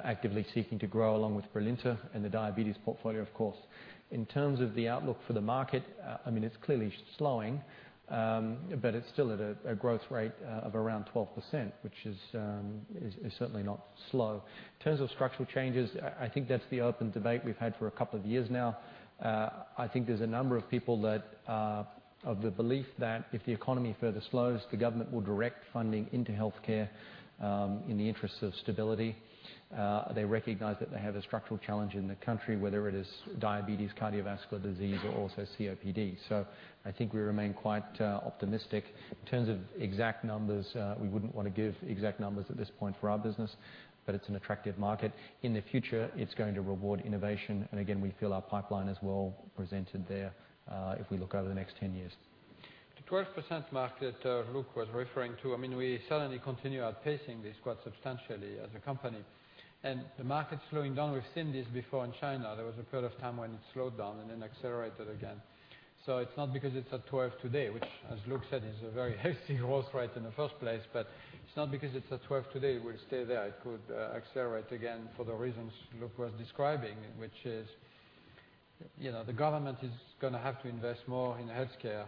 actively seeking to grow along with Brilinta and the diabetes portfolio, of course. In terms of the outlook for the market, it's clearly slowing, but it's still at a growth rate of around 12%, which is certainly not slow. In terms of structural changes, I think that's the open debate we've had for a couple of years now. I think there's a number of people that are of the belief that if the economy further slows, the government will direct funding into healthcare, in the interest of stability. They recognize that they have a structural challenge in the country, whether it is diabetes, cardiovascular disease, or also COPD. I think we remain quite optimistic. In terms of exact numbers, we wouldn't want to give exact numbers at this point for our business, but it's an attractive market. In the future, it's going to reward innovation, and again, we feel our pipeline is well presented there if we look over the next 10 years. The 12% market Luke was referring to, we certainly continue outpacing this quite substantially as a company. The market's slowing down. We've seen this before in China. There was a period of time when it slowed down, then accelerated again. It's not because it's at 12 today, which as Luke said, is a very healthy growth rate in the first place, but it's not because it's at 12 today, it will stay there. It could accelerate again for the reasons Luke was describing, which is the government is going to have to invest more in healthcare.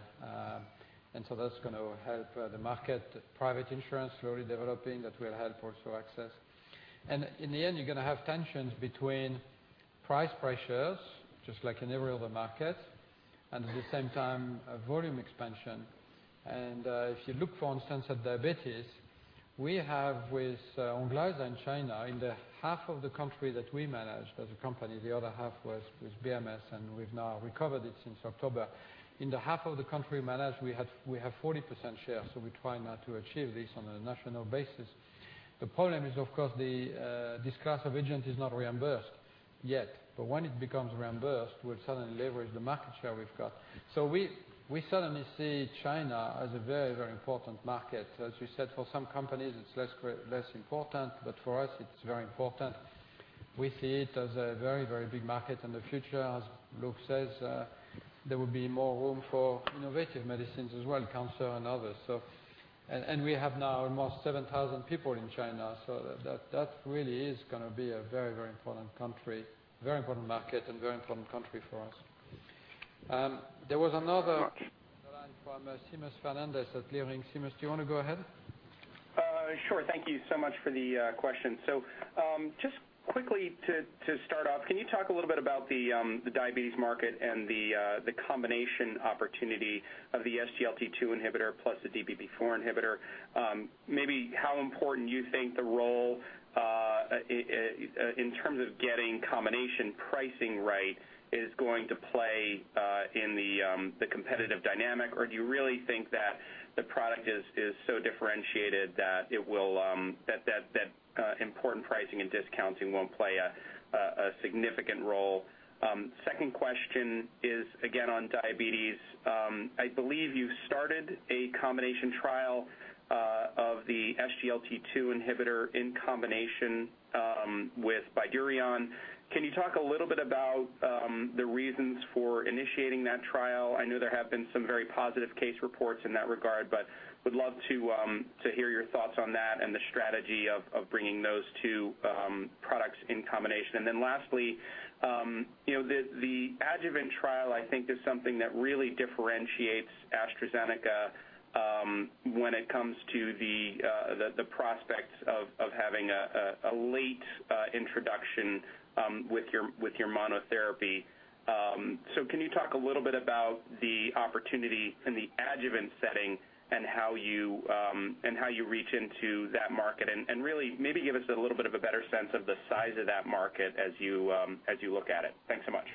That's going to help the market. Private insurance slowly developing that will help also access. In the end, you're going to have tensions between price pressures, just like in every other market, and at the same time, volume expansion. If you look, for instance, at diabetes, we have with ONGLYZA in China, in the half of the country that we manage as a company, the other half was BMS and we've now recovered it since October. In the half of the country we manage, we have 40% share, so we're trying now to achieve this on a national basis. The problem is, of course, this class of agent is not reimbursed yet, but when it becomes reimbursed, we'll suddenly leverage the market share we've got. We certainly see China as a very important market. As you said, for some companies, it's less important, but for us, it's very important. We see it as a very big market in the future. As Luke says, there will be more room for innovative medicines as well, cancer and others. We have now almost 7,000 people in China, so that really is going to be a very important market and very important country for us. There was another line from Seamus Fernandez at Leerink. Seamus, do you want to go ahead? Sure. Thank you so much for the question. Just quickly to start off, can you talk a little bit about the diabetes market and the combination opportunity of the SGLT2 inhibitor plus the DPP4 inhibitor? Maybe how important you think the role in terms of getting combination pricing right is going to play in the competitive dynamic, or do you really think that the product is so differentiated that important pricing and discounting won't play a significant role? Second question is, again, on diabetes. I believe you started a combination trial of the SGLT2 inhibitor in combination with Bydureon. Can you talk a little bit about the reasons for initiating that trial? I know there have been some very positive case reports in that regard, but would love to hear your thoughts on that and the strategy of bringing those two products in combination. Lastly, the ADJUVANT trial, I think is something that really differentiates AstraZeneca when it comes to the prospects of having a late introduction with your monotherapy. Can you talk a little bit about the opportunity in the adjuvant setting and how you reach into that market and really maybe give us a little bit of a better sense of the size of that market as you look at it? Thanks so much.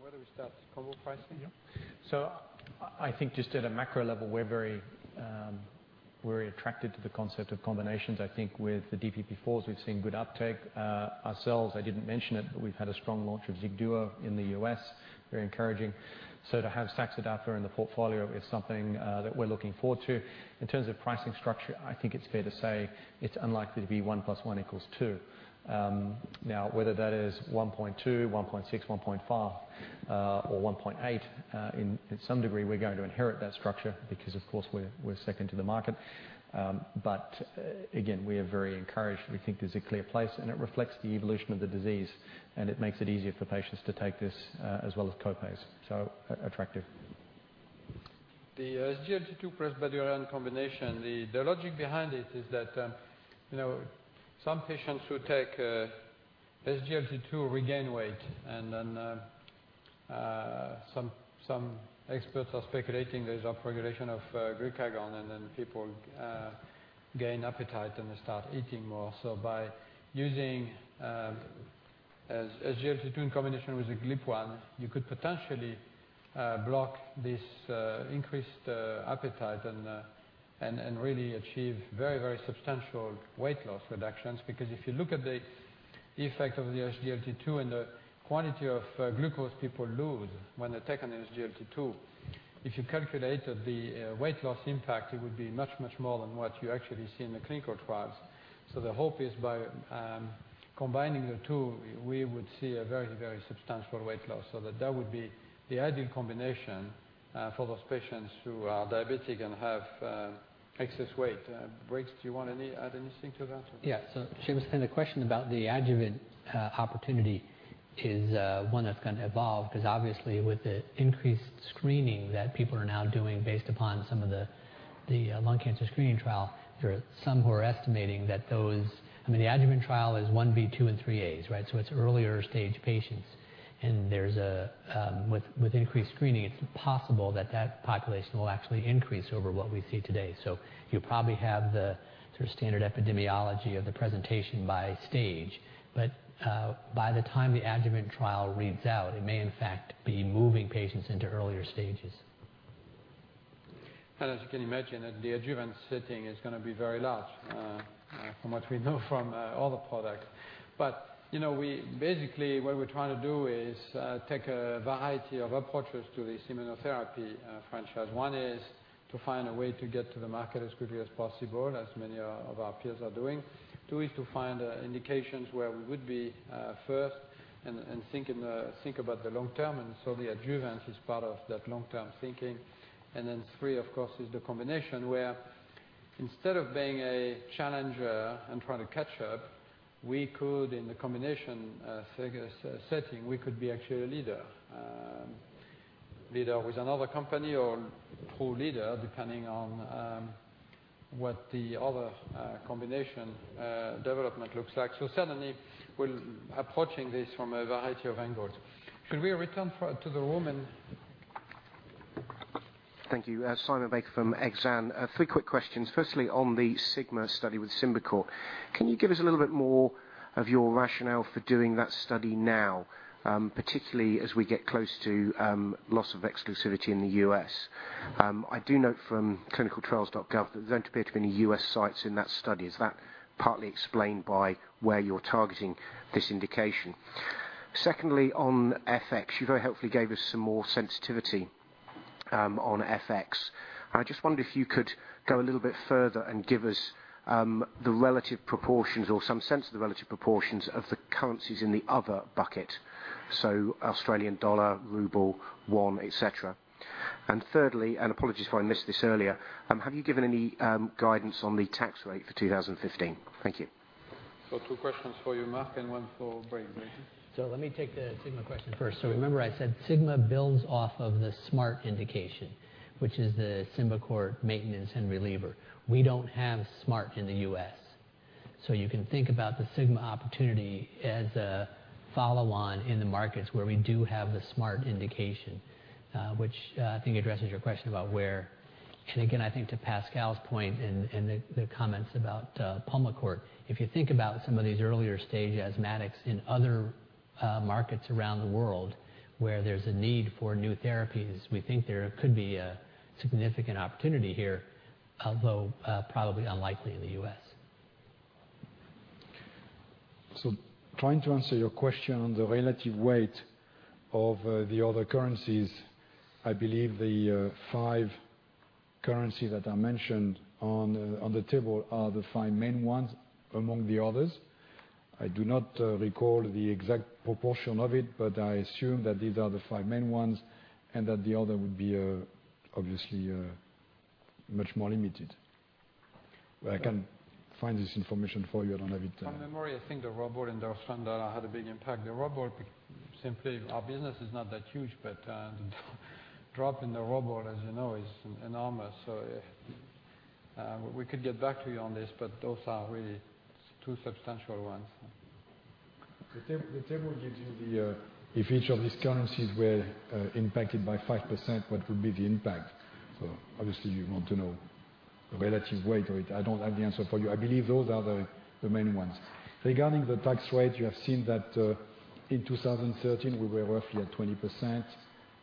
Where do we start, combo pricing? Yeah. I think just at a macro level, we're very attracted to the concept of combinations. I think with the DPP4s, we've seen good uptake. Ourselves, I didn't mention it, but we've had a strong launch of XIGDUO in the U.S., very encouraging. To have Saxenda in the portfolio is something that we're looking forward to. In terms of pricing structure, I think it's fair to say it's unlikely to be 1 plus 1 equals 2. Now, whether that is 1.2, 1.6, 1.5, or 1.8, in some degree, we're going to inherit that structure because of course, we're second to the market. Again, we are very encouraged. We think there's a clear place, and it reflects the evolution of the disease, and it makes it easier for patients to take this as well as co-pays. Attractive. The SGLT2 plus BYDUREON combination, the logic behind it is that some patients who take SGLT2 regain weight, and some experts are speculating there's upregulation of glucagon, and people gain appetite and start eating more. By using SGLT2 in combination with a GLP-1, you could potentially block this increased appetite and really achieve very substantial weight loss reductions. Because if you look at the effect of the SGLT2 and the quantity of glucose people lose when they take an SGLT2. If you calculate the weight loss impact, it would be much, much more than what you actually see in the clinical trials. The hope is by combining the 2, we would see a very, very substantial weight loss so that would be the ideal combination for those patients who are diabetic and have excess weight. Briggs, do you want add anything to that? Yeah. She was asking the question about the ADJUVANT opportunity is one that's going to evolve because obviously with the increased screening that people are now doing based upon some of the lung cancer screening trial, there are some who are estimating that the ADJUVANT trial is phase I-B/II and phase III-A. It's earlier stage patients, and with increased screening, it's possible that that population will actually increase over what we see today. You'll probably have the sort of standard epidemiology of the presentation by stage. By the time the ADJUVANT trial reads out, it may in fact be moving patients into earlier stages. As you can imagine, the ADJUVANT setting is going to be very large from what we know from other products. Basically what we're trying to do is take a variety of approaches to this immunotherapy franchise. 1 is to find a way to get to the market as quickly as possible as many of our peers are doing. 2 is to find indications where we would be first and think about the long term, and the ADJUVANT is part of that long-term thinking. Then 3, of course, is the combination where instead of being a challenger and trying to catch up, we could in the combination setting, we could be actually a leader. A leader with another company or whole leader, depending on what the other combination development looks like. Certainly, we're approaching this from a variety of angles. Should we return to the room? Thank you. Simon Baker from Exane. Three quick questions. Firstly, on the SYGMA study with Symbicort, can you give us a little bit more of your rationale for doing that study now particularly as we get close to loss of exclusivity in the U.S.? I do note from clinicaltrials.gov that there don't appear to be any U.S. sites in that study. Is that partly explained by where you're targeting this indication? Secondly, on FX, you very helpfully gave us some more sensitivity on FX. I just wonder if you could go a little bit further and give us the relative proportions or some sense of the relative proportions of the currencies in the other bucket. Australian dollar, ruble, won, et cetera. Thirdly, and apologies if I missed this earlier have you given any guidance on the tax rate for 2015? Thank you. Two questions for you, Marc, and one for Briggs. Briggs? Let me take the SYGMA question first. Remember I said SYGMA builds off of the SMART indication, which is the Symbicort maintenance and reliever. We don't have SMART in the U.S. You can think about the SYGMA opportunity as a follow-on in the markets where we do have the SMART indication, which I think addresses your question about where. Again, I think to Pascal's point and the comments about Pulmicort, if you think about some of these earlier-stage asthmatics in other markets around the world where there's a need for new therapies, we think there could be a significant opportunity here, although probably unlikely in the U.S. Trying to answer your question on the relative weight of the other currencies, I believe the five currencies that I mentioned on the table are the five main ones among the others. I do not recall the exact proportion of it, but I assume that these are the five main ones and that the other would be obviously much more limited. I can find this information for you. I don't have it- From memory, I think the ruble and Australian dollar had a big impact. The ruble, simply our business is not that huge, but drop in the ruble, as you know, is enormous. We could get back to you on this, but those are really two substantial ones. The table gives you if each of these currencies were impacted by 5%, what would be the impact? Obviously, you want to know the relative weight of it. I don't have the answer for you. I believe those are the main ones. Regarding the tax rate, you have seen that in 2013 we were roughly at 20%,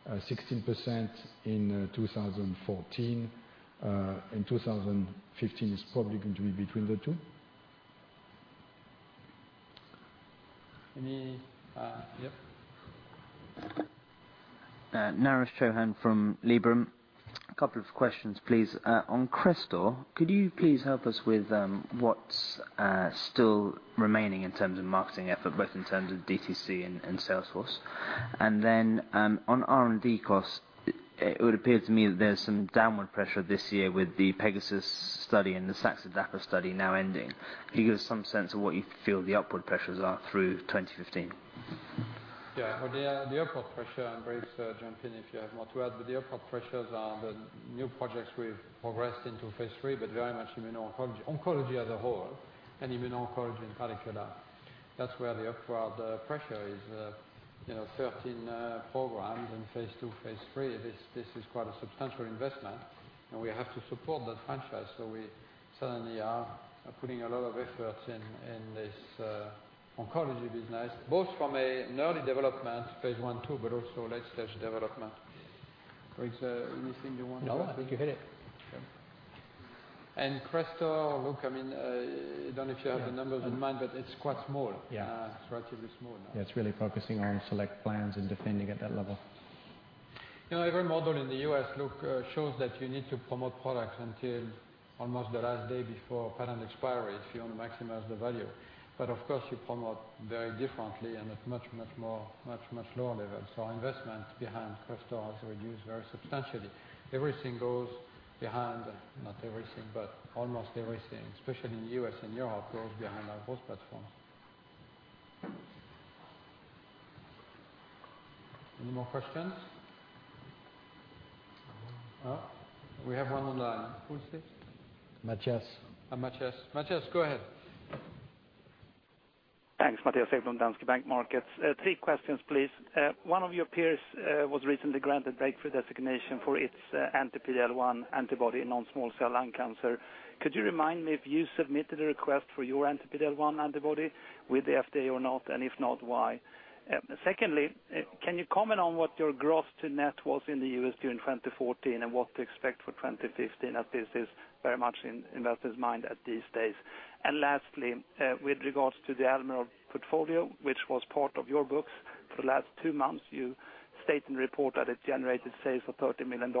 16% in 2014, in 2015 is probably going to be between the two. Yep. Naresh Chouhan from Liberum. A couple of questions, please. On Crestor, could you please help us with what's still remaining in terms of marketing effort, both in terms of DTC and Salesforce? On R&D costs, it would appear to me that there's some downward pressure this year with the PEGASUS study and the saxagliptin/dapagliflozin study now ending. Can you give us some sense of what you feel the upward pressures are through 2015? Yeah. The upward pressure, and Briggs jump in if you have more to add, but the upward pressures are the new projects we've progressed into phase III, very much immuno-oncology. Oncology as a whole and immuno-oncology in particular. That's where the upward pressure is 13 programs in phase II, phase III. This is quite a substantial investment, and we have to support that franchise. We certainly are putting a lot of efforts in this oncology business, both from an early development phase I, II, but also late-stage development. Briggs, anything you want to add? No, I think you hit it. Crestor, look, I don't know if you have the numbers in mind, but it's quite small. Yeah. It's relatively small now. Yeah. It's really focusing on select plans and defending at that level. Every model in the U.S., look, shows that you need to promote products until almost the last day before patent expiry if you want to maximize the value. Of course, you promote very differently and at much lower levels. Investment behind Crestor has reduced very substantially. Everything goes behind, not everything, but almost everything, especially in the U.S. and Europe, goes behind our gross platform. Any more questions? No? We have one online. Who's this? Matthias. Mattias. Mattias, go ahead. Thanks. Mattias from Danske Bank Markets. Three questions, please. One of your peers was recently granted breakthrough designation for its anti-PD-L1 antibody in non-small cell lung cancer. Could you remind me if you submitted a request for your anti-PD-L1 antibody with the FDA or not, and if not, why? Secondly, can you comment on what your gross to net was in the U.S. during 2014 and what to expect for 2015 as this is very much in investors' mind at these days? Lastly, with regards to the Almirall portfolio, which was part of your books for the last two months, you state in the report that it generated sales of $30 million.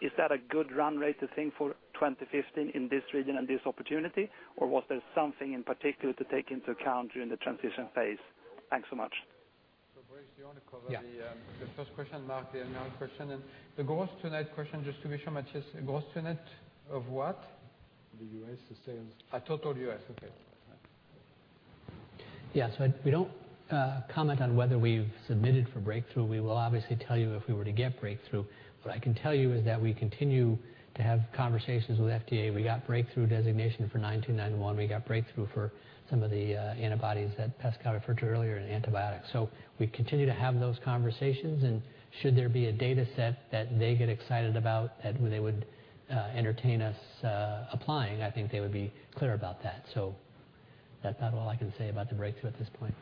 Is that a good run rate to think for 2015 in this region and this opportunity, or was there something in particular to take into account during the transition phase? Thanks so much. Briggs, do you want to cover the Yeah the first question, Marc, the Almirall question and the gross to net question, just to be sure, Mattias, gross to net of what? The U.S., the sales. Total U.S. Okay. We don't comment on whether we've submitted for breakthrough. We will obviously tell you if we were to get breakthrough. What I can tell you is that we continue to have conversations with FDA. We got breakthrough designation for 9291. We got breakthrough for some of the antibodies that Pascal referred to earlier and antibiotics. We continue to have those conversations, and should there be a data set that they get excited about that they would entertain us applying, I think they would be clear about that. That's about all I can say about the breakthrough at this point.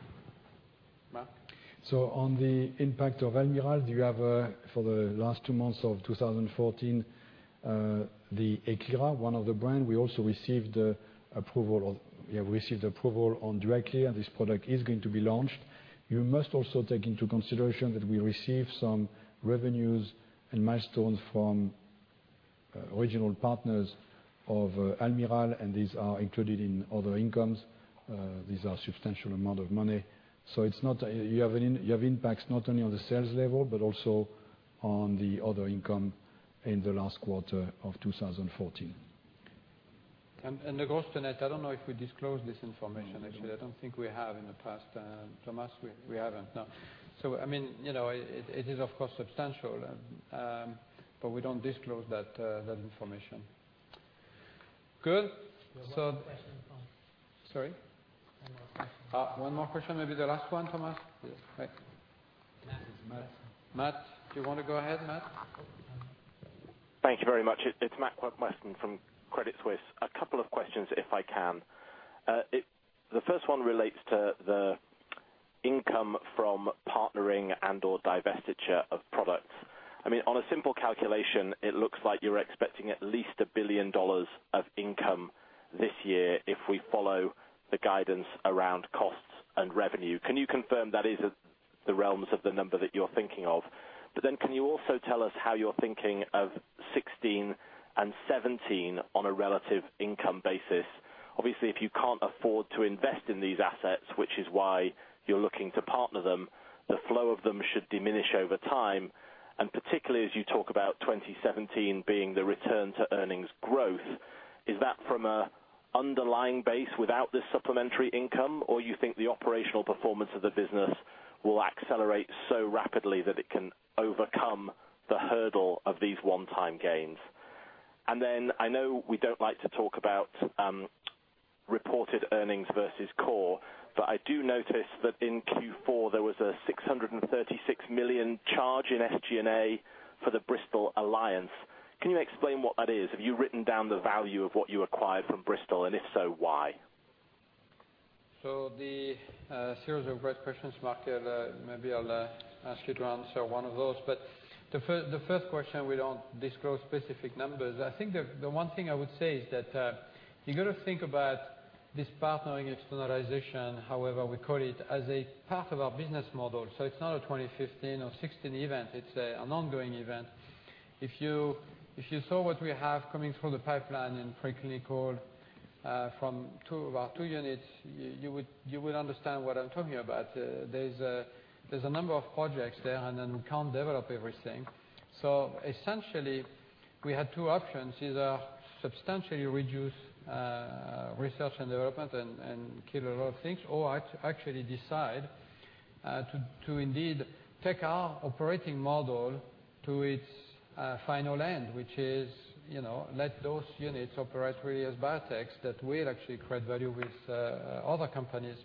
Marc? On the impact of Almirall, you have for the last two months of 2014, the Eklira, one of the brand. We also received approval on Duaklir, and this product is going to be launched. You must also take into consideration that we received some revenues and milestones from original partners of Almirall, and these are included in other incomes. These are substantial amount of money. You have impacts not only on the sales level, but also on the other income in the last quarter of 2014. The gross to net, I don't know if we disclosed this information, actually. I don't think we have in the past. Thomas, we haven't, no. It is, of course, substantial. We don't disclose that information. Good. We have one more question from- Sorry? One more question. One more question, maybe the last one, Thomas? Yes. Right. Matt. This is Matt. Matt, do you want to go ahead, Matt? Thank you very much. It's Matthew Weston from Credit Suisse. A couple of questions, if I can. The first one relates to the income from partnering and/or divestiture of products. On a simple calculation, it looks like you're expecting at least $1 billion of income this year if we follow the guidance around costs and revenue. Can you confirm that is the realms of the number that you're thinking of? Can you also tell us how you're thinking of 2016 and 2017 on a relative income basis? Obviously, if you can't afford to invest in these assets, which is why you're looking to partner them, the flow of them should diminish over time. Particularly as you talk about 2017 being the return to earnings growth, is that from an underlying base without this supplementary income, or you think the operational performance of the business will accelerate so rapidly that it can overcome the hurdle of these one-time gains? I know we don't like to talk about reported earnings versus core, but I do notice that in Q4, there was a $636 million charge in SG&A for the Bristol alliance. Can you explain what that is? Have you written down the value of what you acquired from Bristol, and if so, why? The series of great questions, Matt. Maybe I'll ask you to answer one of those. The first question, we don't disclose specific numbers. I think the one thing I would say is that you got to think about this partnering externalization, however we call it, as a part of our business model. It's not a 2015 or 2016 event. It's an ongoing event. If you saw what we have coming through the pipeline in pre-clinical from our two units, you would understand what I'm talking about. There's a number of projects there, and we can't develop everything. Essentially, we had two options, either substantially reduce research and development and kill a lot of things, or actually decide to indeed take our operating model to its final end, which is let those units operate really as biotechs that will actually create value with other companies.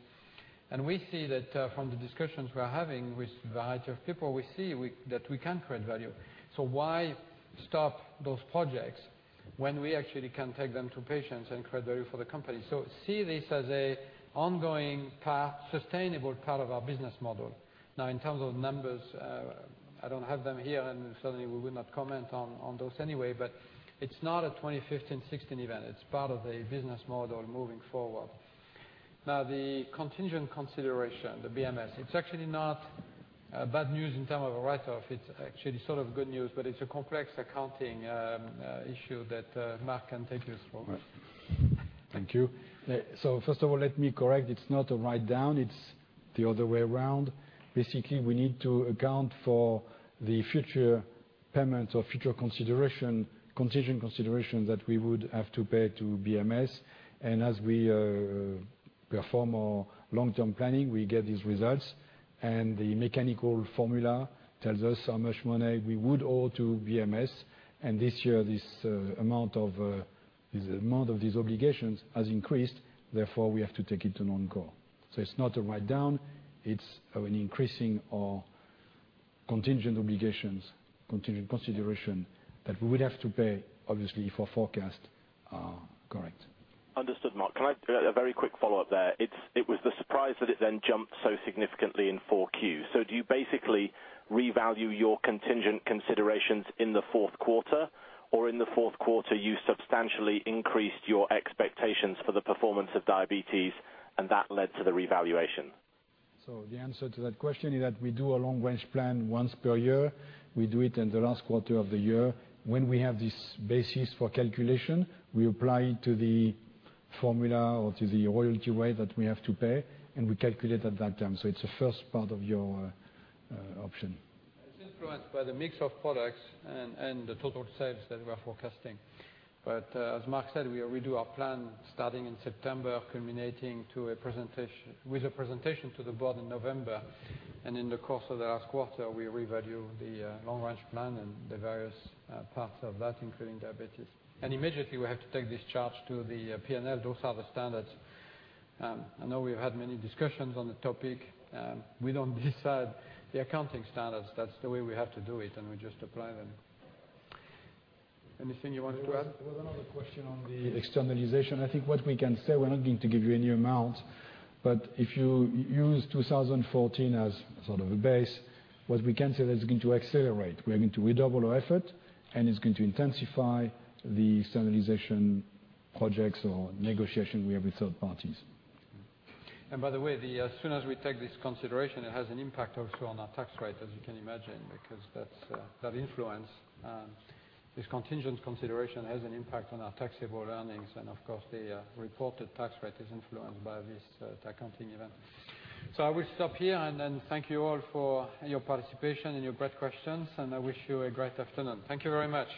We see that from the discussions we're having with a variety of people, we see that we can create value. Why stop those projects when we actually can take them to patients and create value for the company? See this as a ongoing path, sustainable part of our business model. Now, in terms of numbers, I don't have them here and certainly we would not comment on those anyway, but it's not a 2015, 2016 event. It's part of a business model moving forward. Now, the contingent consideration, the BMS, it's actually not bad news in term of a write-off. It's actually sort of good news, it's a complex accounting issue that Marc can take us through. Thank you. First of all, let me correct. It is not a write-down, it is the other way around. Basically, we need to account for the future payments or future contingent consideration that we would have to pay to BMS. As we perform our long-term planning, we get these results, and the mechanical formula tells us how much money we would owe to BMS. This year, this amount of these obligations has increased, therefore, we have to take it to [non-core]. It is not a write-down, it is an increasing our contingent obligations, contingent consideration that we would have to pay, obviously, for forecast. Correct. Understood. Marc, a very quick follow-up there. It was the surprise that it then jumped so significantly in 4Q. Do you basically revalue your contingent considerations in the fourth quarter? Or in the fourth quarter, you substantially increased your expectations for the performance of diabetes and that led to the revaluation? The answer to that question is that we do a long-range plan once per year. We do it in the last quarter of the year. When we have this basis for calculation, we apply it to the formula or to the royalty rate that we have to pay, and we calculate at that time. It is the first part of your option. It is influenced by the mix of products and the total sales that we are forecasting. As Marc said, we redo our plan starting in September, culminating with a presentation to the board in November. In the course of the last quarter, we revalue the long-range plan and the various parts of that, including diabetes. Immediately, we have to take this charge to the P&L. Those are the standards. I know we have had many discussions on the topic. We do not decide the accounting standards. That is the way we have to do it, and we just apply them. Anything you want to add? There was another question on the externalization. I think what we can say, we're not going to give you a new amount, but if you use 2014 as sort of a base, what we can say that it's going to accelerate. We're going to redouble our effort, and it's going to intensify the externalization projects or negotiation we have with third parties. By the way, as soon as we take this consideration, it has an impact also on our tax rate, as you can imagine, because that influence, this contingent consideration, has an impact on our taxable earnings. Of course, the reported tax rate is influenced by this accounting event. I will stop here and thank you all for your participation and your great questions. I wish you a great afternoon. Thank you very much.